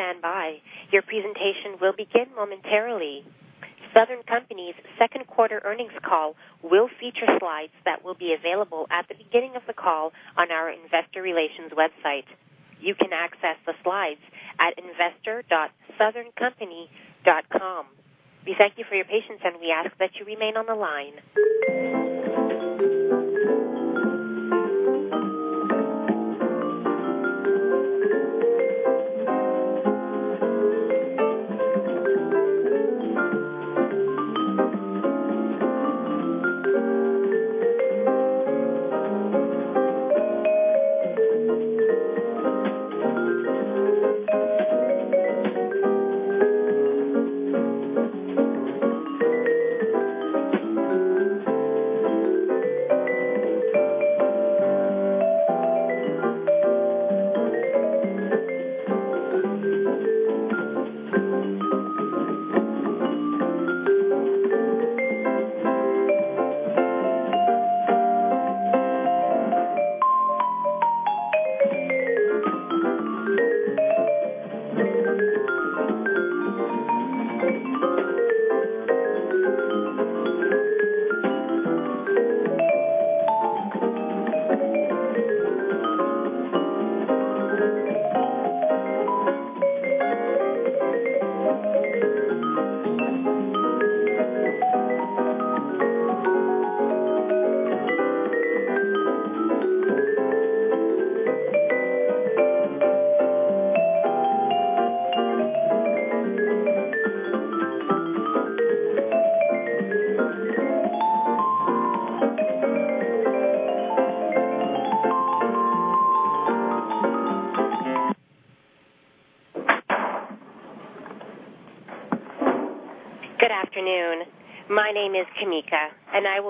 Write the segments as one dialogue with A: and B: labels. A: Continue to stand by. Your presentation will begin momentarily. Southern Company's second quarter earnings call will feature slides that will be available at the beginning of the call on our investor relations website. You can access the slides at investor.southerncompany.com. We thank you for your patience, and we ask that you remain on the line. Good afternoon. My name is Kimika, and I will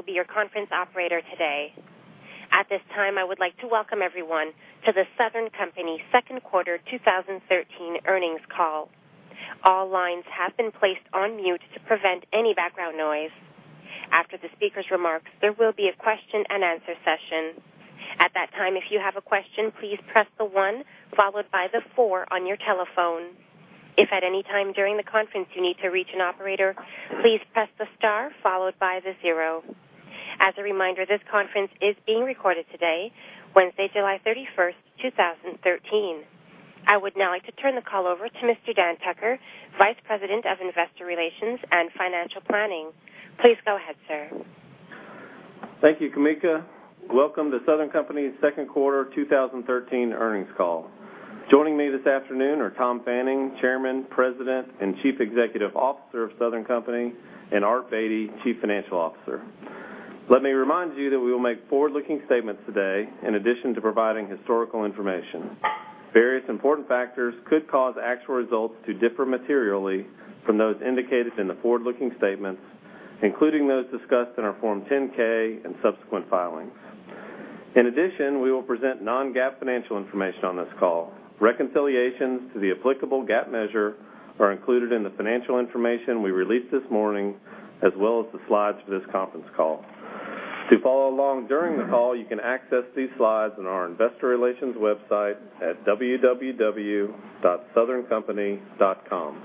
A: be your conference operator today. At this time, I would like to welcome everyone to the Southern Company second quarter 2013 earnings call. All lines have been placed on mute to prevent any background noise. After the speaker's remarks, there will be a question-and-answer session. At that time, if you have a question, please press the one followed by the four on your telephone. If at any time during the conference you need to reach an operator, please press the star followed by the zero. As a reminder, this conference is being recorded today, Wednesday, July 31st, 2013. I would now like to turn the call over to Mr. Dan Tucker, Vice President of Investor Relations and Financial Planning. Please go ahead, sir.
B: Thank you, Kimika. Welcome to Southern Company's second quarter 2013 earnings call. Joining me this afternoon are Tom Fanning, Chairman, President, and Chief Executive Officer of Southern Company, and Art Beattie, Chief Financial Officer. Let me remind you that we will make forward-looking statements today in addition to providing historical information. Various important factors could cause actual results to differ materially from those indicated in the forward-looking statements, including those discussed in our Form 10-K and subsequent filings. In addition, we will present non-GAAP financial information on this call. Reconciliations to the applicable GAAP measure are included in the financial information we released this morning, as well as the slides for this conference call. To follow along during the call, you can access these slides on our investor relations website at www.southerncompany.com.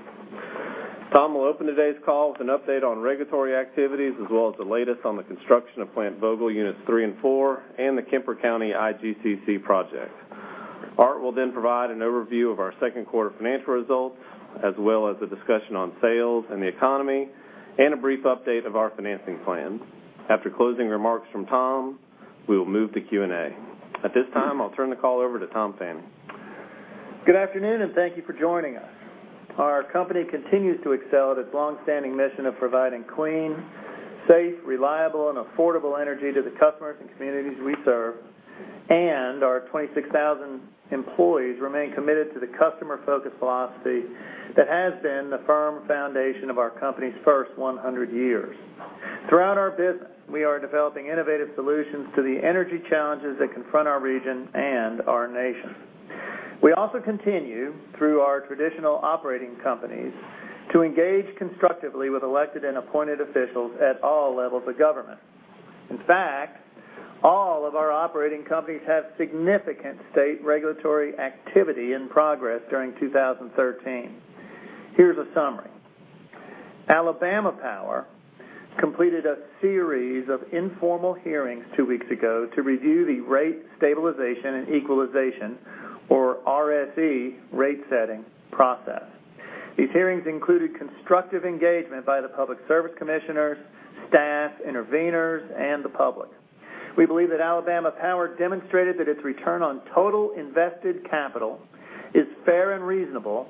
B: Tom will open today's call with an update on regulatory activities, as well as the latest on the construction of Plant Vogtle Units 3 and 4, and the Kemper County IGCC project. Art will then provide an overview of our second quarter financial results, as well as a discussion on sales and the economy, and a brief update of our financing plan. After closing remarks from Tom, we will move to Q&A. At this time, I'll turn the call over to Tom Fanning.
C: Good afternoon, and thank you for joining us. Our company continues to excel at its long-standing mission of providing clean, safe, reliable, and affordable energy to the customers and communities we serve, and our 26,000 employees remain committed to the customer-focused philosophy that has been the firm foundation of our company's first 100 years. Throughout our business, we are developing innovative solutions to the energy challenges that confront our region and our nation. We also continue, through our traditional operating companies, to engage constructively with elected and appointed officials at all levels of government. In fact, all of our operating companies have significant state regulatory activity in progress during 2013. Here's a summary. Alabama Power completed a series of informal hearings two weeks ago to review the Rate Stabilization and Equalization, or RSE, rate setting process. These hearings included constructive engagement by the Public Service Commissioners, staff, intervenors, and the public. We believe that Alabama Power demonstrated that its return on total invested capital is fair and reasonable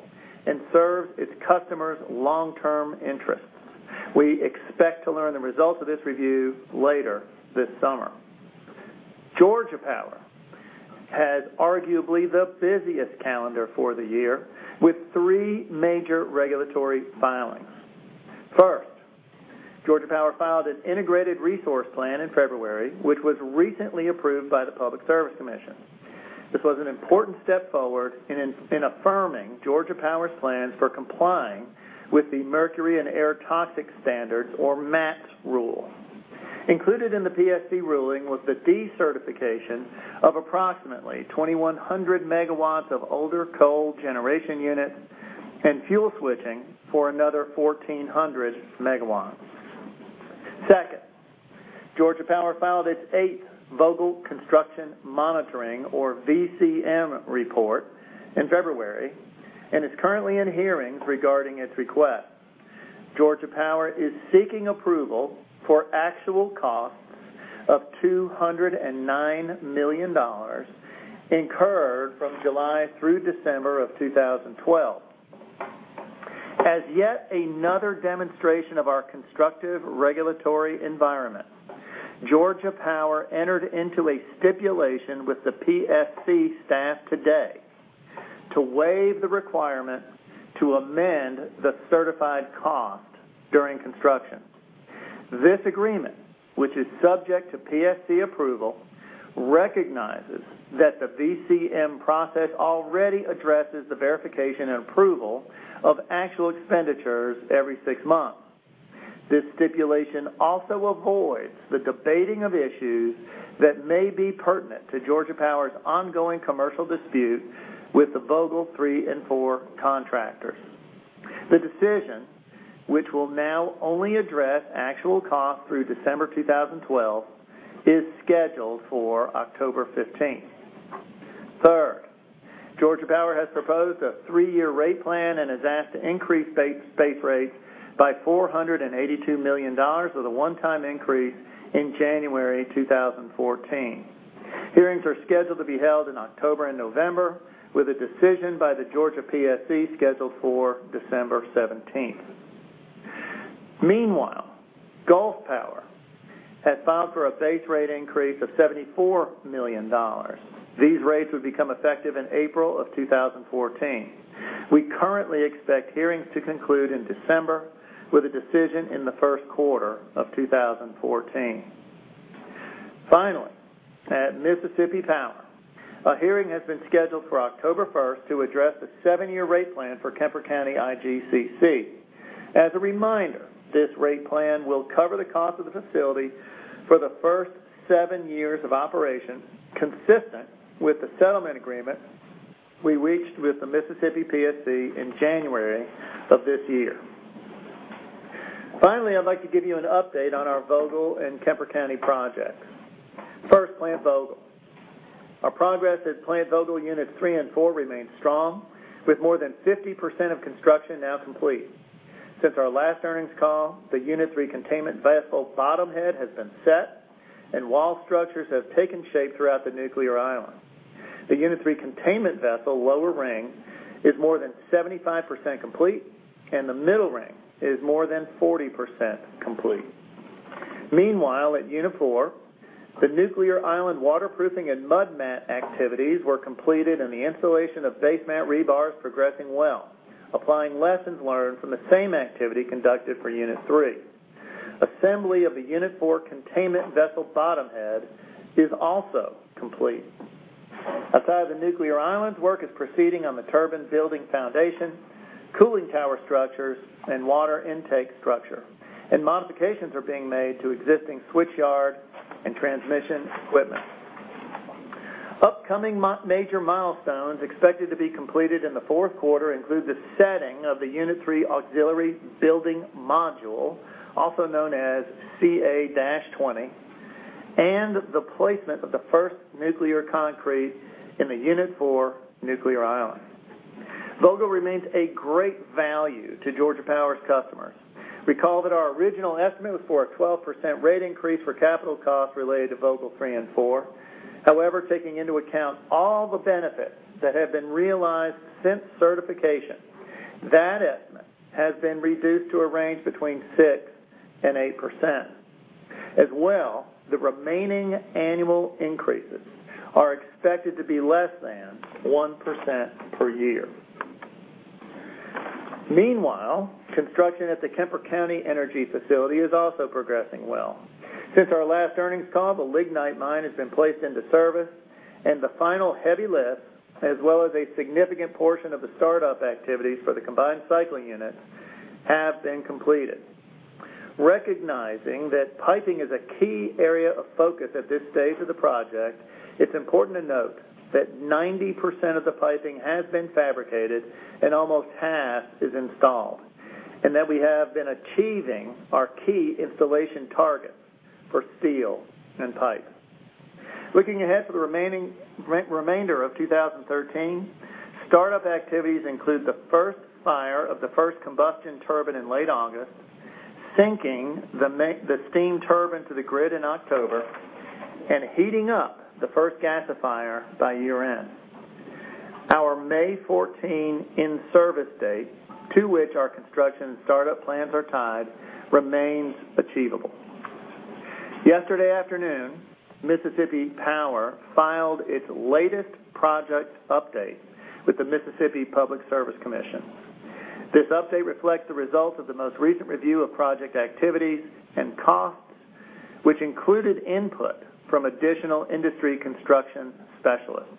C: and serves its customers' long-term interests. We expect to learn the results of this review later this summer. Georgia Power has arguably the busiest calendar for the year, with three major regulatory filings. First, Georgia Power filed an Integrated Resource Plan in February, which was recently approved by the Public Service Commission. This was an important step forward in affirming Georgia Power's plans for complying with the Mercury and Air Toxics Standards, or MATS rule. Included in the PSC ruling was the decertification of approximately 2,100 megawatts of older coal generation units and fuel switching for another 1,400 megawatts. Second, Georgia Power filed its eighth Vogtle Construction Monitoring, or VCM, report in February and is currently in hearings regarding its request. Georgia Power is seeking approval for actual costs of $209 million incurred from July through December of 2012. As yet another demonstration of our constructive regulatory environment, Georgia Power entered into a stipulation with the PSC staff today to waive the requirement to amend the certified cost during construction. This agreement, which is subject to PSC approval, recognizes that the VCM process already addresses the verification and approval of actual expenditures every six months. This stipulation also avoids the debating of issues that may be pertinent to Georgia Power's ongoing commercial dispute with the Vogtle 3 and 4 contractors. The decision, which will now only address actual costs through December 2012, is scheduled for October 15th. Third, Georgia Power has proposed a three-year rate plan and has asked to increase base rates by $482 million, with a one-time increase in January 2014. Hearings are scheduled to be held in October and November, with a decision by the Georgia PSC scheduled for December 17th. Meanwhile, Gulf Power has filed for a base rate increase of $74 million. These rates would become effective in April of 2014. We currently expect hearings to conclude in December, with a decision in the first quarter of 2014. Finally, at Mississippi Power, a hearing has been scheduled for October 1st to address the seven-year rate plan for Kemper County IGCC. As a reminder, this rate plan will cover the cost of the facility for the first seven years of operation, consistent with the settlement agreement we reached with the Mississippi PSC in January of this year. Finally, I'd like to give you an update on our Vogtle and Kemper County projects. First, Plant Vogtle. Our progress at Plant Vogtle Units 3 and 4 remains strong, with more than 50% of construction now complete. Since our last earnings call, the Unit 3 containment vessel bottom head has been set, and wall structures have taken shape throughout the nuclear island. The Unit 3 containment vessel lower ring is more than 75% complete, and the middle ring is more than 40% complete. Meanwhile, at Unit 4, the nuclear island waterproofing and mud mat activities were completed, and the installation of basemat rebars is progressing well, applying lessons learned from the same activity conducted for Unit 3. Assembly of the Unit 4 containment vessel bottom head is also complete. Outside of the nuclear islands, work is proceeding on the turbine building foundation, cooling tower structures, and water intake structure. Modifications are being made to existing switchyard and transmission equipment. Upcoming major milestones expected to be completed in the fourth quarter include the setting of the Unit 3 auxiliary building module, also known as CA-20, and the placement of the first nuclear concrete in the Unit 4 nuclear island. Vogtle remains a great value to Georgia Power's customers. Recall that our original estimate was for a 12% rate increase for capital costs related to Vogtle 3 and 4. However, taking into account all the benefits that have been realized since certification, that estimate has been reduced to a range between 6% and 8%. As well, the remaining annual increases are expected to be less than 1% per year. Meanwhile, construction at the Kemper County energy facility is also progressing well. Since our last earnings call, the lignite mine has been placed into service, and the final heavy lift, as well as a significant portion of the startup activities for the combined cycle unit, have been completed. Recognizing that piping is a key area of focus at this stage of the project, it's important to note that 90% of the piping has been fabricated and almost half is installed, and that we have been achieving our key installation targets for steel and pipe. Looking ahead to the remainder of 2013, startup activities include the first fire of the first combustion turbine in late August, syncing the steam turbine to the grid in October, and heating up the first gasifier by year-end. Our May 14 in-service date, to which our construction and startup plans are tied, remains achievable. Yesterday afternoon, Mississippi Power filed its latest project update with the Mississippi Public Service Commission. This update reflects the results of the most recent review of project activities and costs, which included input from additional industry construction specialists.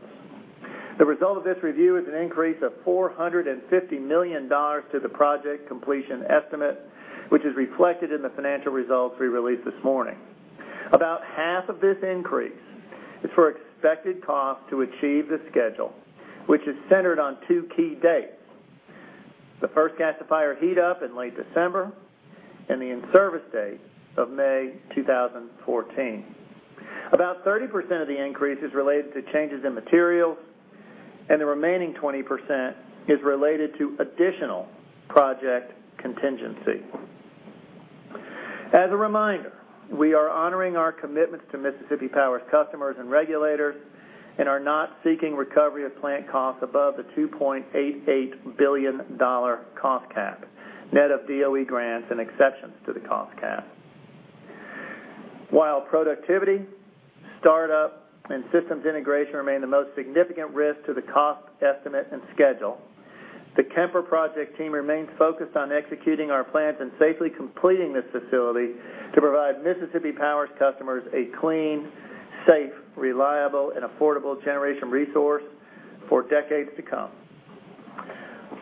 C: The result of this review is an increase of $450 million to the project completion estimate, which is reflected in the financial results we released this morning. About half of this increase is for expected costs to achieve the schedule, which is centered on two key dates: the first gasifier heat-up in late December and the in-service date of May 2014. About 30% of the increase is related to changes in materials, and the remaining 20% is related to additional project contingency. As a reminder, we are honoring our commitments to Mississippi Power's customers and regulators and are not seeking recovery of plant costs above the $2.88 billion cost cap, net of DOE grants and exceptions to the cost cap. While productivity, startup, and systems integration remain the most significant risk to the cost estimate and schedule, the Kemper project team remains focused on executing our plans and safely completing this facility to provide Mississippi Power's customers a clean, safe, reliable, and affordable generation resource for decades to come.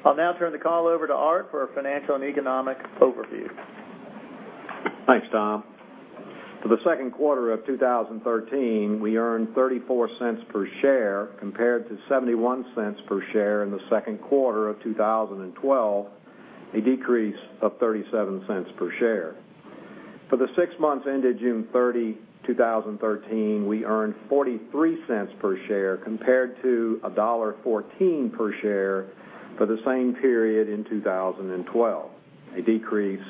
C: I'll now turn the call over to Art for a financial and economic overview.
D: Thanks, Tom. For the second quarter of 2013, we earned $0.34 per share compared to $0.71 per share in the second quarter of 2012, a decrease of $0.37 per share. For the six months ended June 30, 2013, we earned $0.43 per share compared to $1.14 per share for the same period in 2012, a decrease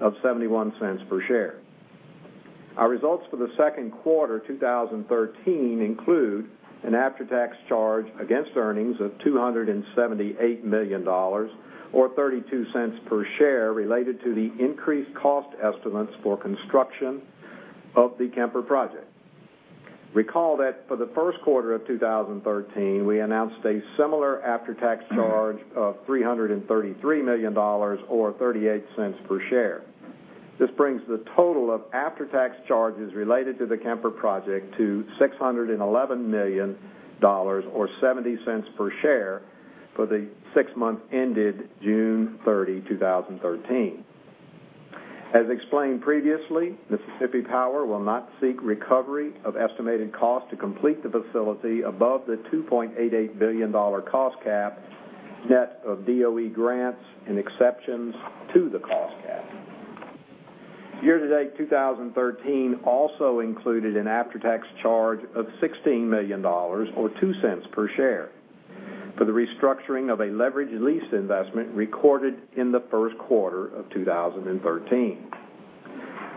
D: of $0.71 per share. Our results for the second quarter 2013 include an after-tax charge against earnings of $278 million, or $0.32 per share, related to the increased cost estimates for construction of the Kemper project. Recall that for the first quarter of 2013, we announced a similar after-tax charge of $333 million, or $0.38 per share. This brings the total of after-tax charges related to the Kemper project to $611 million, or $0.70 per share, for the six months ended June 30, 2013. As explained previously, Mississippi Power will not seek recovery of estimated costs to complete the facility above the $2.88 billion cost cap, net of DOE grants and exceptions to the cost cap. Year-to-date 2013 also included an after-tax charge of $16 million, or 2 cents per share, for the restructuring of a leveraged lease investment recorded in the first quarter of 2013.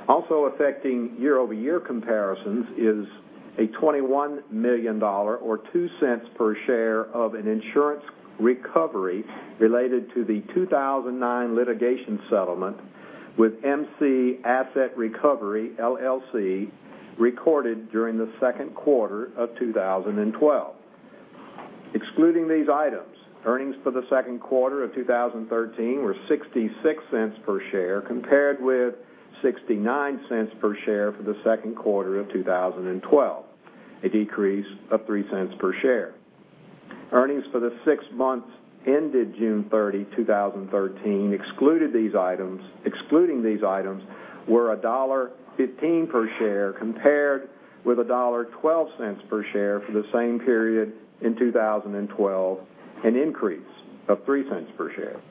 D: Also affecting year-over-year comparisons is a $21 million, or 2 cents per share, of an insurance recovery related to the 2009 litigation settlement with MC Asset Recovery, LLC, recorded during the second quarter of 2012. Excluding these items, earnings for the second quarter of 2013 were 66 cents per share compared with 69 cents per share for the second quarter of 2012, a decrease of 3 cents per share. Earnings for the six months ended June 30, 2013, excluding these items were $1.15 per share compared with $1.12 per share for the same period in 2012, an increase of $0.03 per share.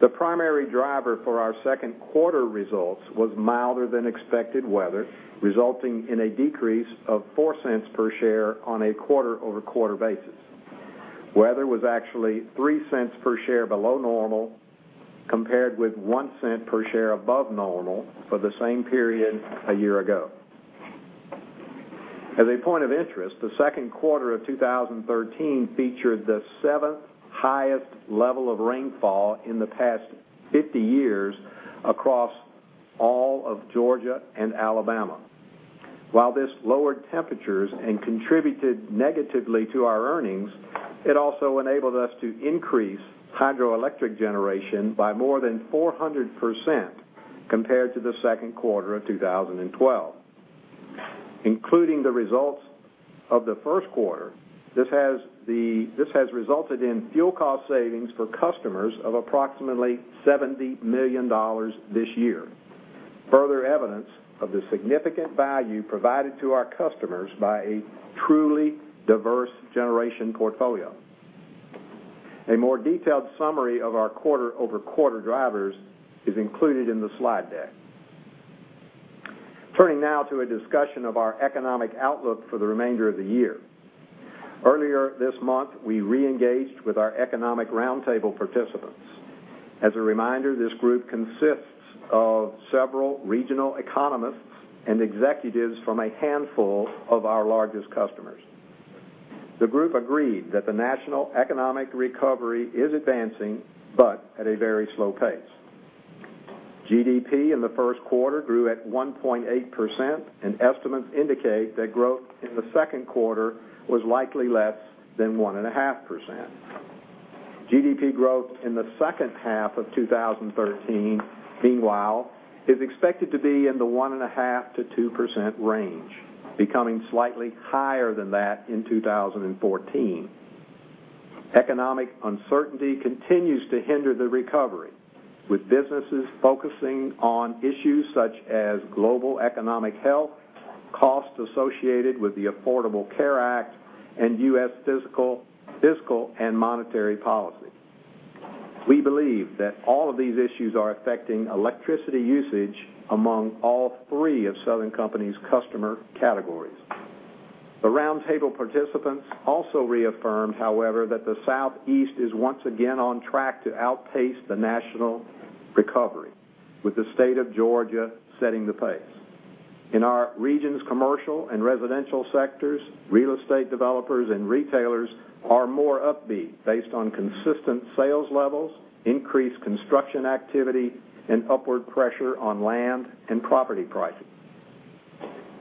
D: The primary driver for our second quarter results was milder-than-expected weather, resulting in a decrease of $0.04 per share on a quarter-over-quarter basis. Weather was actually $0.03 per share below normal compared with $0.01 per share above normal for the same period a year ago. As a point of interest, the second quarter of 2013 featured the seventh highest level of rainfall in the past 50 years across all of Georgia and Alabama. While this lowered temperatures and contributed negatively to our earnings, it also enabled us to increase hydroelectric generation by more than 400% compared to the second quarter of 2012. Including the results of the first quarter, this has resulted in fuel cost savings for customers of approximately $70 million this year, further evidence of the significant value provided to our customers by a truly diverse generation portfolio. A more detailed summary of our quarter-over-quarter drivers is included in the slide deck. Turning now to a discussion of our economic outlook for the remainder of the year. Earlier this month, we re-engaged with our economic roundtable participants. As a reminder, this group consists of several regional economists and executives from a handful of our largest customers. The group agreed that the national economic recovery is advancing, but at a very slow pace. GDP in the first quarter grew at 1.8%, and estimates indicate that growth in the second quarter was likely less than 1.5%. GDP growth in the second half of 2013, meanwhile, is expected to be in the 1.5%-2% range, becoming slightly higher than that in 2014. Economic uncertainty continues to hinder the recovery, with businesses focusing on issues such as global economic health, costs associated with the Affordable Care Act, and U.S. fiscal and monetary policy. We believe that all of these issues are affecting electricity usage among all three of Southern Company's customer categories. The roundtable participants also reaffirmed, however, that the Southeast is once again on track to outpace the national recovery, with the state of Georgia setting the pace. In our region's commercial and residential sectors, real estate developers and retailers are more upbeat based on consistent sales levels, increased construction activity, and upward pressure on land and property prices.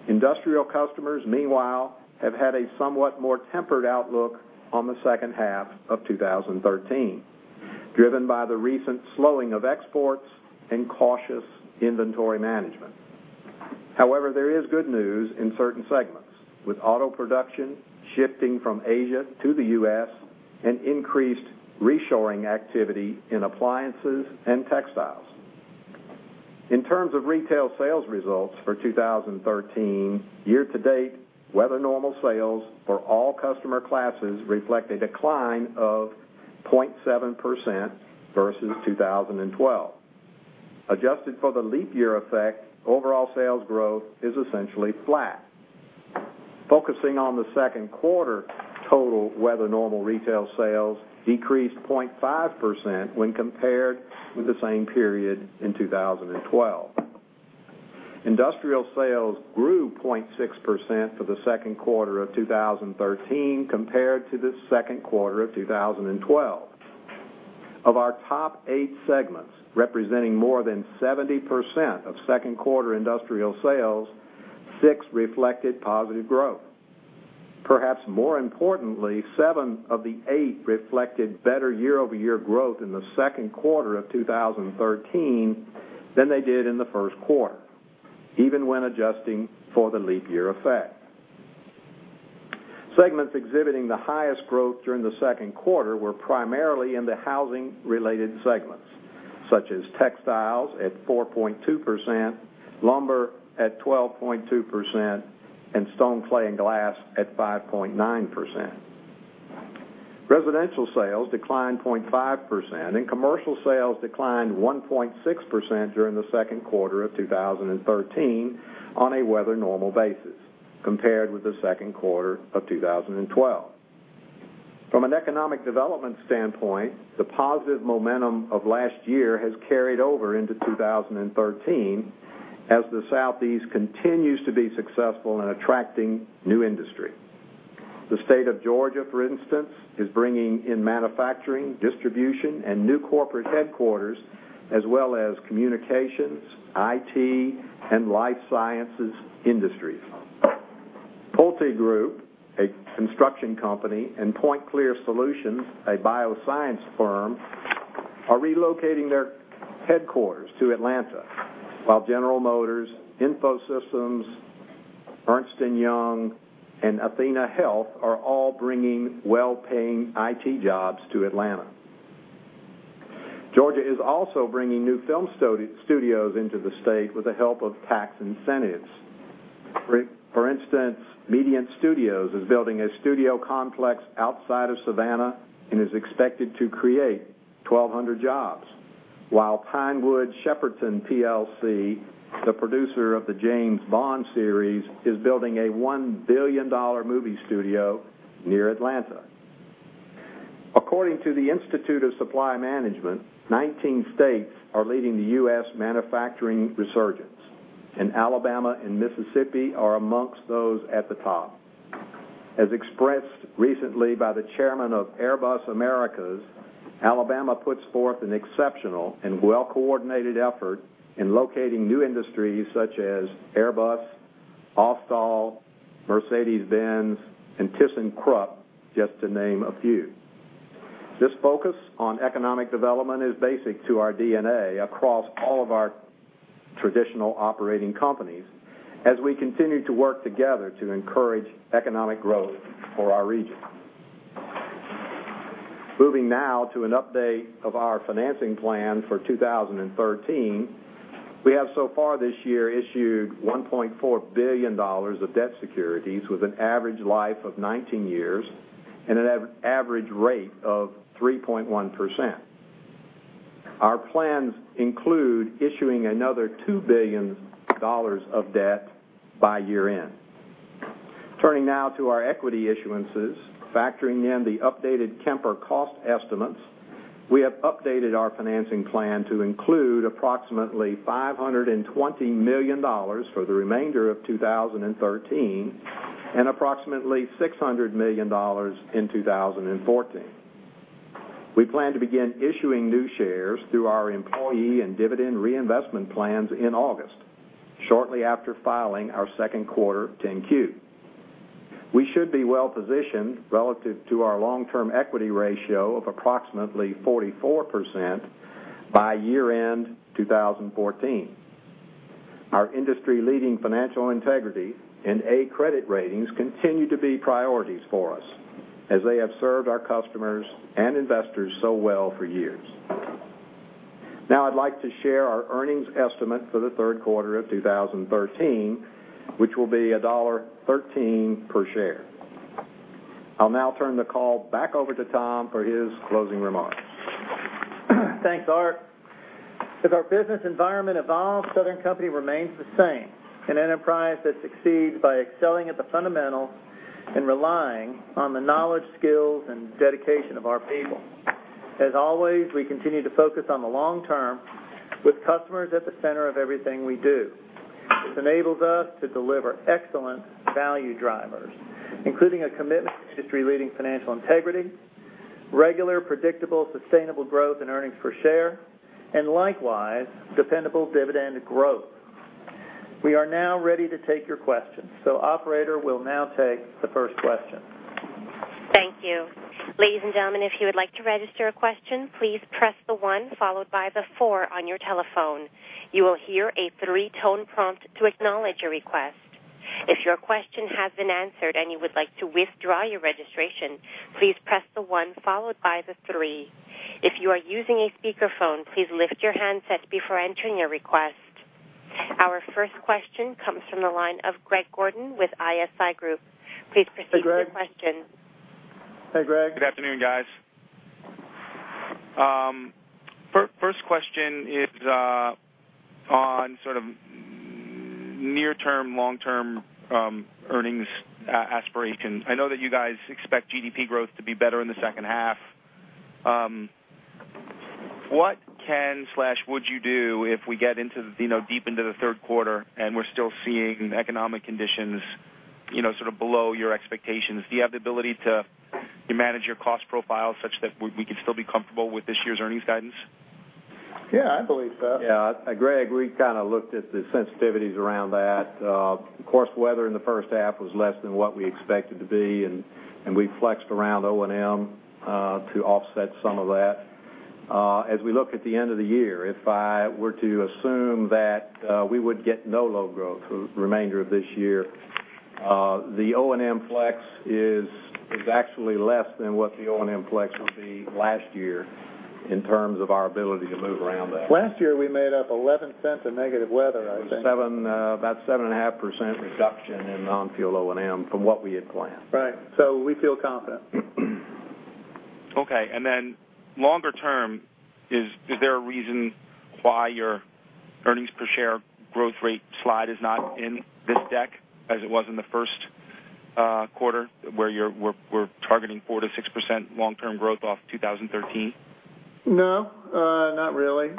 D: Industrial customers, meanwhile, have had a somewhat more tempered outlook on the second half of 2013, driven by the recent slowing of exports and cautious inventory management. However, there is good news in certain segments, with auto production shifting from Asia to the U.S. and increased reshoring activity in appliances and textiles. In terms of retail sales results for 2013, year-to-date, weather-normal sales for all customer classes reflect a decline of 0.7% versus 2012. Adjusted for the leap year effect, overall sales growth is essentially flat. Focusing on the second quarter, total weather-normal retail sales decreased 0.5% when compared with the same period in 2012. Industrial sales grew 0.6% for the second quarter of 2013 compared to the second quarter of 2012. Of our top eight segments, representing more than 70% of second quarter industrial sales, six reflected positive growth. Perhaps more importantly, seven of the eight reflected better year-over-year growth in the second quarter of 2013 than they did in the first quarter, even when adjusting for the leap year effect. Segments exhibiting the highest growth during the second quarter were primarily in the housing-related segments, such as textiles at 4.2%, lumber at 12.2%, and stone, clay, and glass at 5.9%. Residential sales declined 0.5%, and commercial sales declined 1.6% during the second quarter of 2013 on a weather-normal basis compared with the second quarter of 2012. From an economic development standpoint, the positive momentum of last year has carried over into 2013 as the Southeast continues to be successful in attracting new industry. The state of Georgia, for instance, is bringing in manufacturing, distribution, and new corporate headquarters, as well as communications, IT, and life sciences industries. PulteGroup, a construction company, and PointClear Solutions, a bioscience firm, are relocating their headquarters to Atlanta, while General Motors, Infosys, Ernst & Young, and athenahealth are all bringing well-paying IT jobs to Atlanta. Georgia is also bringing new film studios into the state with the help of tax incentives. For instance, Medient Studios is building a studio complex outside of Savannah and is expected to create 1,200 jobs, while Pinewood Shepperton plc, the producer of the James Bond series, is building a $1 billion movie studio near Atlanta. According to the Institute for Supply Management, 19 states are leading the U.S. manufacturing resurgence, and Alabama and Mississippi are amongst those at the top. As expressed recently by the chairman of Airbus Americas, Alabama puts forth an exceptional and well-coordinated effort in locating new industries such as Airbus, Austal, Mercedes-Benz, and ThyssenKrupp, just to name a few. This focus on economic development is basic to our DNA across all of our traditional operating companies as we continue to work together to encourage economic growth for our region. Moving now to an update of our financing plan for 2013, we have so far this year issued $1.4 billion of debt securities with an average life of 19 years and an average rate of 3.1%. Our plans include issuing another $2 billion of debt by year-end. Turning now to our equity issuances, factoring in the updated Kemper cost estimates, we have updated our financing plan to include approximately $520 million for the remainder of 2013 and approximately $600 million in 2014. We plan to begin issuing new shares through our employee and dividend reinvestment plans in August, shortly after filing our second quarter 10-Q. We should be well-positioned relative to our long-term equity ratio of approximately 44% by year-end 2014. Our industry-leading financial integrity and A credit ratings continue to be priorities for us as they have served our customers and investors so well for years. Now, I'd like to share our earnings estimate for the third quarter of 2013, which will be $1.13 per share. I'll now turn the call back over to Tom for his closing remarks. Thanks, Art. As our business environment evolves, Southern Company remains the same, an enterprise that succeeds by excelling at the fundamentals and relying on the knowledge, skills, and dedication of our people. As always, we continue to focus on the long term with customers at the center of everything we do. This enables us to deliver excellent value drivers, including a commitment to industry-leading financial integrity, regular, predictable, sustainable growth in earnings per share, and likewise, dependable dividend growth. We are now ready to take your questions, so Operator will now take the first question.
A: Thank you. Ladies and gentlemen, if you would like to register a question, please press the one followed by the four on your telephone. You will hear a three-tone prompt to acknowledge your request. If your question has been answered and you would like to withdraw your registration, please press the one followed by the three. If you are using a speakerphone, please lift your handset before entering your request. Our first question comes from the line of Greg Gordon with ISI Group. Please proceed with your question.
C: Hey, Greg. Hey, Greg.
E: Good afternoon, guys. First question is on sort of near-term, long-term earnings aspirations. I know that you guys expect GDP growth to be better in the second half. What would you do if we get deep into the third quarter and we're still seeing economic conditions sort of below your expectations? Do you have the ability to manage your cost profile such that we can still be comfortable with this year's earnings guidance?
D: Yeah, I believe so.
C: Yeah. Greg, we kind of looked at the sensitivities around that. Of course, weather in the first half was less than what we expected to be, and we flexed around O&M to offset some of that. As we look at the end of the year, if I were to assume that we would get no load growth for the remainder of this year, the O&M flex is actually less than what the O&M flex would be last year in terms of our ability to move around that. Last year, we made up $0.11 of negative weather, I think. About 7.5% reduction in non-fuel O&M from what we had planned.
D: Right. So we feel confident.
E: Okay. And then longer term, is there a reason why your earnings per share growth rate slide is not in this deck as it was in the first quarter where we're targeting 4%-6% long-term growth off 2013?
C: No, not really.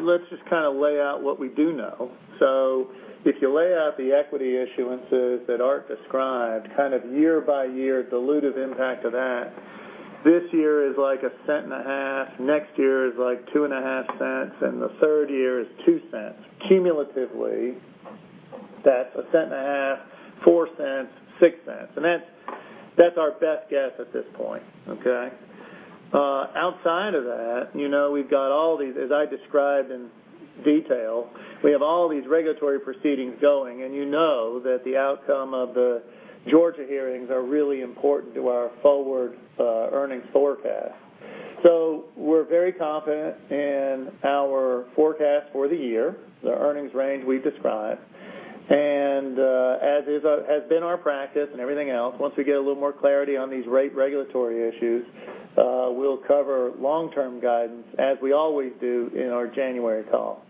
C: Let's just kind of lay out what we do know. So if you lay out the equity issuances that Art described, kind of year-by-year, the dilutive impact of that, this year is like $0.015, next year is like $0.025, and the third year is $0.02. Cumulatively, that's $0.015, $0.04, $0.06. And that's our best guess at this point, okay? Outside of that, we've got all these, as I described in detail, we have all these regulatory proceedings going, and you know that the outcome of the Georgia hearings are really important to our forward earnings forecast. So we're very confident in our forecast for the year, the earnings range we described. And as has been our practice and everything else, once we get a little more clarity on these regulatory issues, we'll cover long-term guidance as we always do in our January call.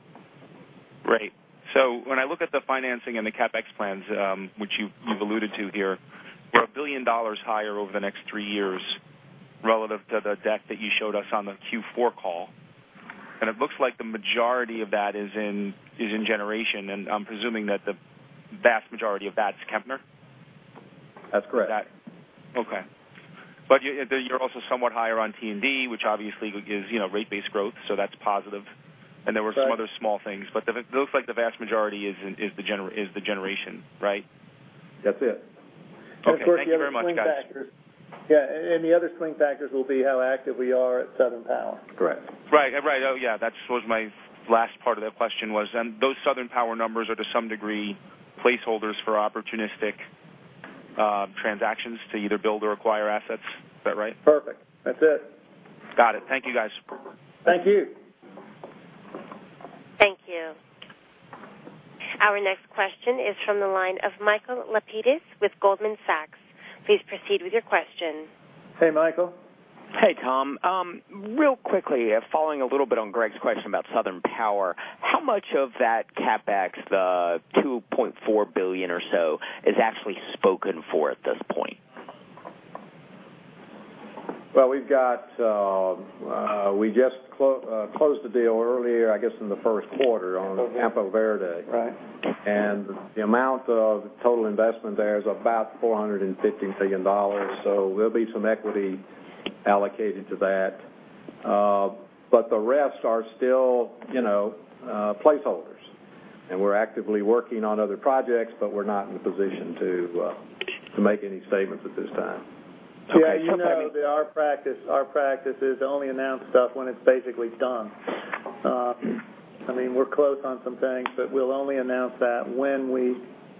E: Great. So when I look at the financing and the CapEx plans, which you've alluded to here, we're $1 billion higher over the next three years relative to the deck that you showed us on the Q4 call. And it looks like the majority of that is in generation, and I'm presuming that the vast majority of that's Kemper?
C: That's correct.
E: Okay. But you're also somewhat higher on T&D, which obviously is rate-based growth, so that's positive. And there were some other small things, but it looks like the vast majority is the generation, right?
C: That's it.
E: Okay. Of course, the other swing factors.
C: Yeah.And the other swing factors will be how active we are at Southern Power.
E: Correct.
C: Right. Right. Oh, yeah. That was my last part of that question was, and those Southern Power numbers are to some degree placeholders for opportunistic transactions to either build or acquire assets. Is that right?
E: Perfect. That's it. Got it. Thank you, guys.
C: Thank you.
A: Thank you. Our next question is from the line of Michael Lapides with Goldman Sachs. Please proceed with your question.
C: Hey, Michael.
F: Hey, Tom. Real quickly, following a little bit on Greg's question about Southern Power, how much of that CapEx, the $2.4 billion or so, is actually spoken for at this point?
C: Well, we just closed the deal earlier, I guess, in the first quarter on Campo Verde. And the amount of total investment there is about $450 million, so there'll be some equity allocated to that. But the rest are still placeholders. And we're actively working on other projects, but we're not in a position to make any statements at this time.
D: Yeah. You know, our practice is to only announce stuff when it's basically done. I mean, we're close on some things, but we'll only announce that when we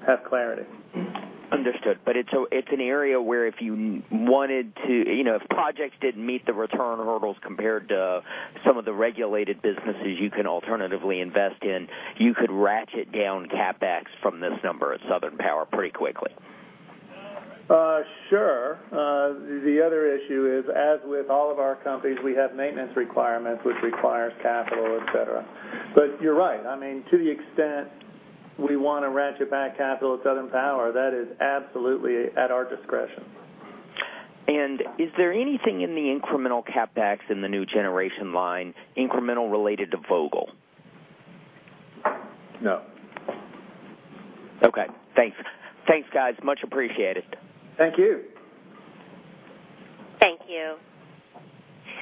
D: have clarity.
F: Understood. But it's an area where if you wanted to, if projects didn't meet the return hurdles compared to some of the regulated businesses you can alternatively invest in, you could ratchet down CapEx from this number at Southern Power pretty quickly.
C: Sure. The other issue is, as with all of our companies, we have maintenance requirements which requires capital, etc. But you're right. I mean, to the extent we want to ratchet back capital at Southern Power, that is absolutely at our discretion.
F: And is there anything in the incremental CapEx in the new generation line, incremental related to Vogtle?
C: No.
F: Okay. Thanks. Thanks, guys. Much appreciated.
C: Thank you.
A: Thank you.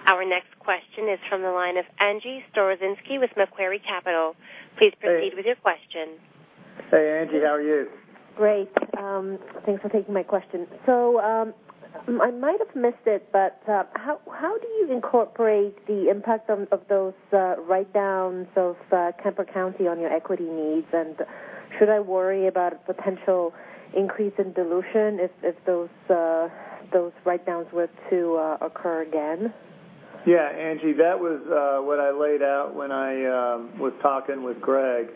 A: Our next question is from the line of Angie Storozynski with Macquarie Capital. Please proceed with your question.
C: Hey, Angie. Howare you?
G: Great. Thanks for taking my question. So I might have missed it, but how do you incorporate the impact of those write-downs of Kemper County on your equity needs? And should I worry about a potential increase in dilution if those write-downs were to occur again?
C: Yeah, Angie, that was what I laid out when I was talking with Greg.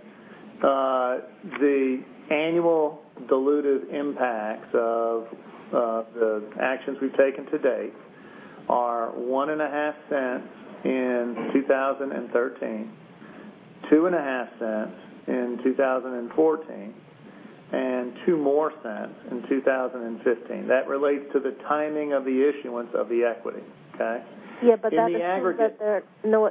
C: The annual diluted impacts of the actions we've taken to date are $0.015 in 2013, $0.025 in 2014, and $0.02 more in 2015. That relates to the timing of the issuance of the equity, okay?
G: Yeah, but that assumes that there are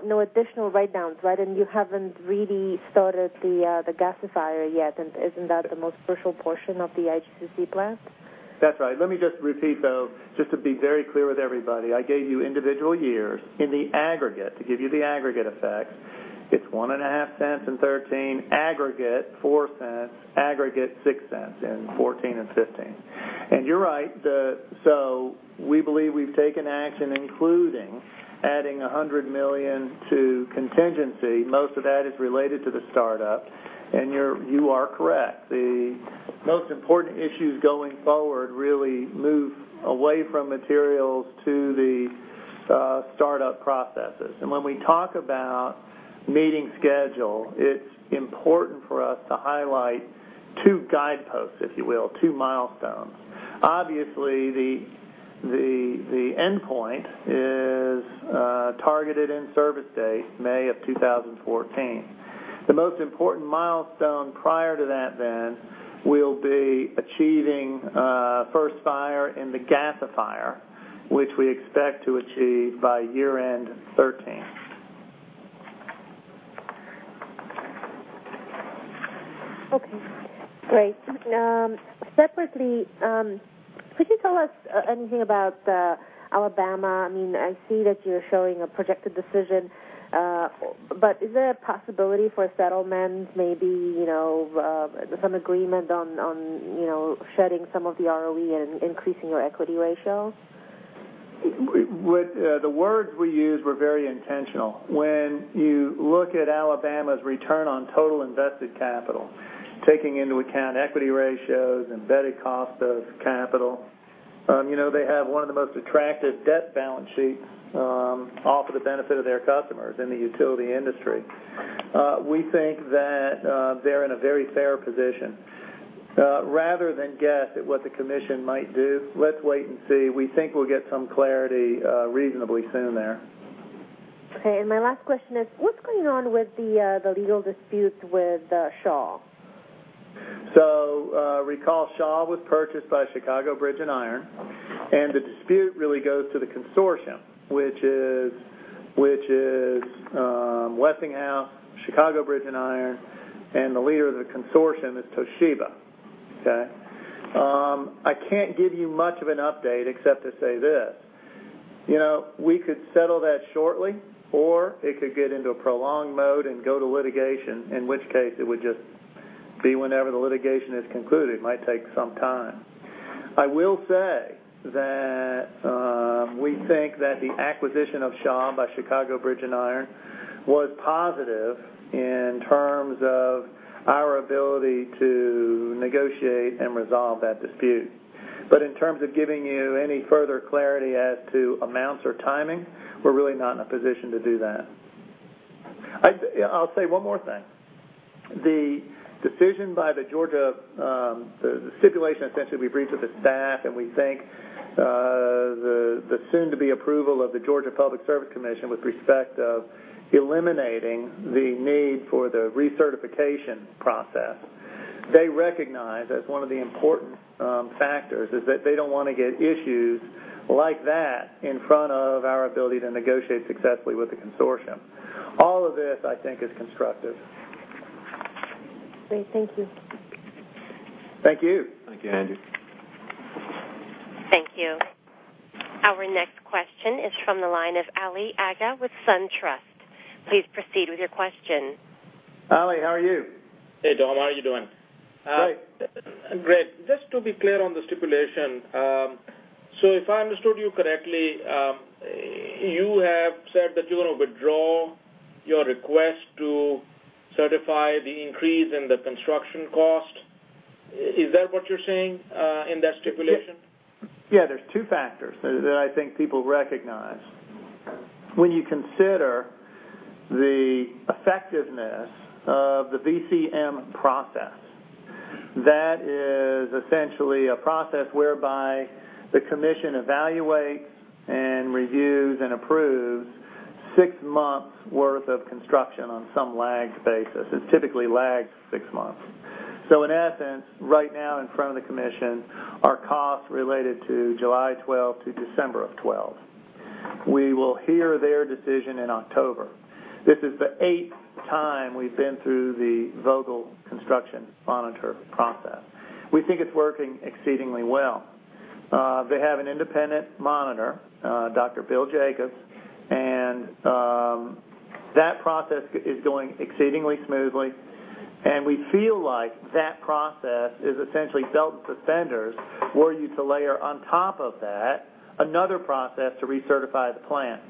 G: no additional write-downs, right? And you haven't really started the gasifier yet, and isn't that the most crucial portion of the IGCC plan?
C: That's right. Let me just repeat, though, just to be very clear with everybody. I gave you individual years. In the aggregate, to give you the aggregate effect, it's $0.015 in 2013, aggregate $0.04, aggregate $0.06 in 2014 and 2015. And you're right. So we believe we've taken action, including adding $100 million to contingency. Most of that is related to the startup. And you are correct. The most important issues going forward really move away from materials to the startup processes. And when we talk about meeting schedule, it's important for us to highlight two guideposts, if you will, two milestones. Obviously, the endpoint is targeted in service date, May of 2014. The most important milestone prior to that then will be achieving first fire in the gasifier, which we expect to achieve by year-end 2013.
G: Okay. Great. Separately, could you tell us anything about Alabama? I mean, I see that you're showing a projected decision, but is there a possibility for settlements, maybe some agreement on shedding some of the ROE and increasing your equity ratio?
C: The words we used were very intentional. When you look at Alabama's return on total invested capital, taking into account equity ratios, embedded cost of capital, they have one of the most attractive debt balance sheets off of the benefit of their customers in the utility industry. We think that they're in a very fair position. Rather than guess at what the commission might do, let's wait and see. We think we'll get some clarity reasonably soon there.
G: Okay. And my last question is, what's going on with the legal disputes with Shaw?
C: So recall, Shaw was purchased by Chicago Bridge & Iron, and the dispute really goes to the consortium, which is Westinghouse, Chicago Bridge & Iron, and the leader of the consortium is Toshiba, okay? I can't give you much of an update except to say this: we could settle that shortly, or it could get into a prolonged mode and go to litigation, in which case it would just be whenever the litigation is concluded. It might take some time. I will say that we think that the acquisition of Shaw by Chicago Bridge & Iron was positive in terms of our ability to negotiate and resolve that dispute. But in terms of giving you any further clarity as to amounts or timing, we're really not in a position to do that. I'll say one more thing. The decision by the Georgia stipulation essentially we've reached with the staff, and we think the soon-to-be approval of the Georgia Public Service Commission with respect of eliminating the need for the recertification process, they recognize as one of the important factors is that they don't want to get issues like that in front of our ability to negotiate successfully with the consortium. All of this, I think, is constructive.
G: Great. Thank you.
C: Thank you.
D: Thank you, Angie.
A: Thank you. Our next question is from the line of Ali Agha with SunTrust. Please proceed with your question.
C: Ali, how are you?
H: Hey, Tom. How are you doing?
C: Great. Great.
H: Just to be clear on the stipulation, so if I understood you correctly, you have said that you're going to withdraw your request to certify the increase in the construction cost. Is that what you're saying in that stipulation?
C: Yeah. There are two factors that I think people recognize. When you consider the effectiveness of the VCM process, that is essentially a process whereby the commission evaluates and reviews and approves six months' worth of construction on some lagged basis. It's typically lagged six months. So in essence, right now in front of the commission are costs related to July 12th to December 12th. We will hear their decision in October. This is the eighth time we've been through the Vogtle construction monitor process. We think it's working exceedingly well. They have an independent monitor, Dr. Bill Jacobs, and that process is going exceedingly smoothly, and we feel like that process is essentially belt and suspenders where you need to layer on top of that another process to recertify the plant.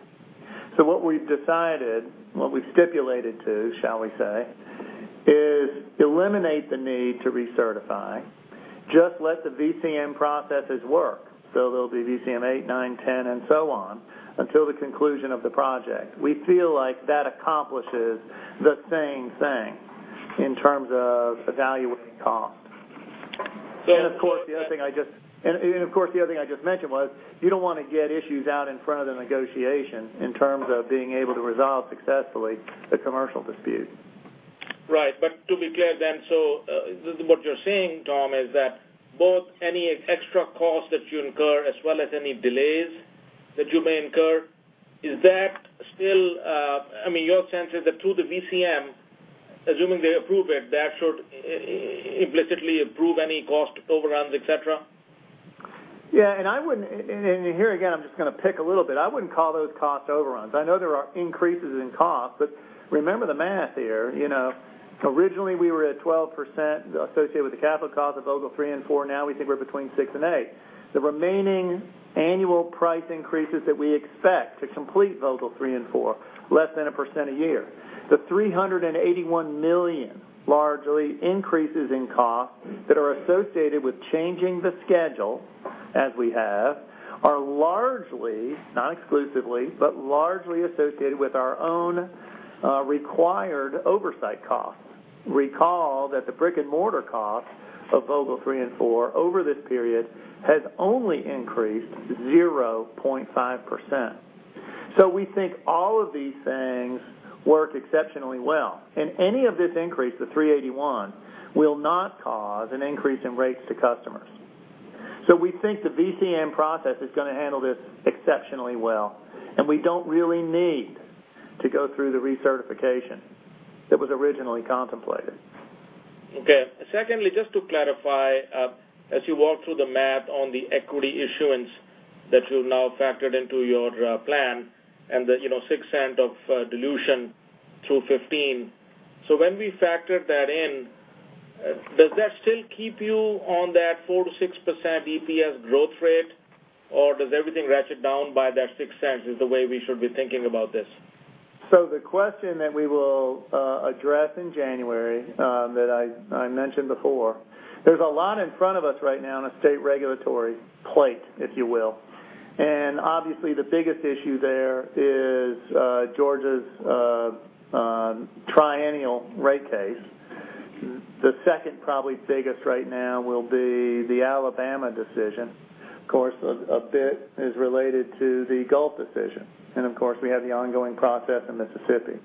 C: So what we've decided, what we've stipulated to, shall we say, is eliminate the need to recertify, just let the VCM processes work. So there'll be VCM 8, 9, 10, and so on until the conclusion of the project. We feel like that accomplishes the same thing in terms of evaluating cost. And of course, the other thing I just mentioned was you don't want to get issues out in front of the negotiation in terms of being able to resolve successfully the commercial dispute. Right. But to be clear then, so what you're saying, Tom, is that both any extra costs that you incur as well as any delays that you may incur, is that still I mean, your sense is that through the VCM, assuming they approve it, that should implicitly approve any cost overruns, etc.?
D: Yeah. And here again, I'm just going to pick a little bit. I wouldn't call those cost overruns. I know there are increases in cost, but remember the math here. Originally, we were at 12% associated with the capital cost of Vogtle 3 and 4. Now we think we're between 6% and 8%. The remaining annual price increases that we expect to complete Vogtle 3 and 4, less than 1% a year. The $381 million largely increases in cost that are associated with changing the schedule as we have are largely, not exclusively, but largely associated with our own required oversight costs. Recall that the brick-and-mortar cost of Vogtle 3 and 4 over this period has only increased 0.5%. So we think all of these things work exceptionally well. And any of this increase, the $381 million, will not cause an increase in rates to customers. So we think the VCM process is going to handle this exceptionally well, and we don't really need to go through the recertification that was originally contemplated.
H: Okay. Secondly, just to clarify, as you walk through the math on the equity issuance that you've now factored into your plan and the $0.06 of dilution through 2015, so when we factor that in, does that still keep you on that 4%-6% EPS growth rate, or does everything ratchet down by that $0.06? Is that the way we should be thinking about this?
C: So the question that we will address in January that I mentioned before, there's a lot in front of us right now on a state regulatory plate, if you will. And obviously, the biggest issue there is Georgia's triennial rate case. The second probably biggest right now will be the Alabama decision. Of course, a bit is related to the Gulf decision, and of course, we have the ongoing process in Mississippi.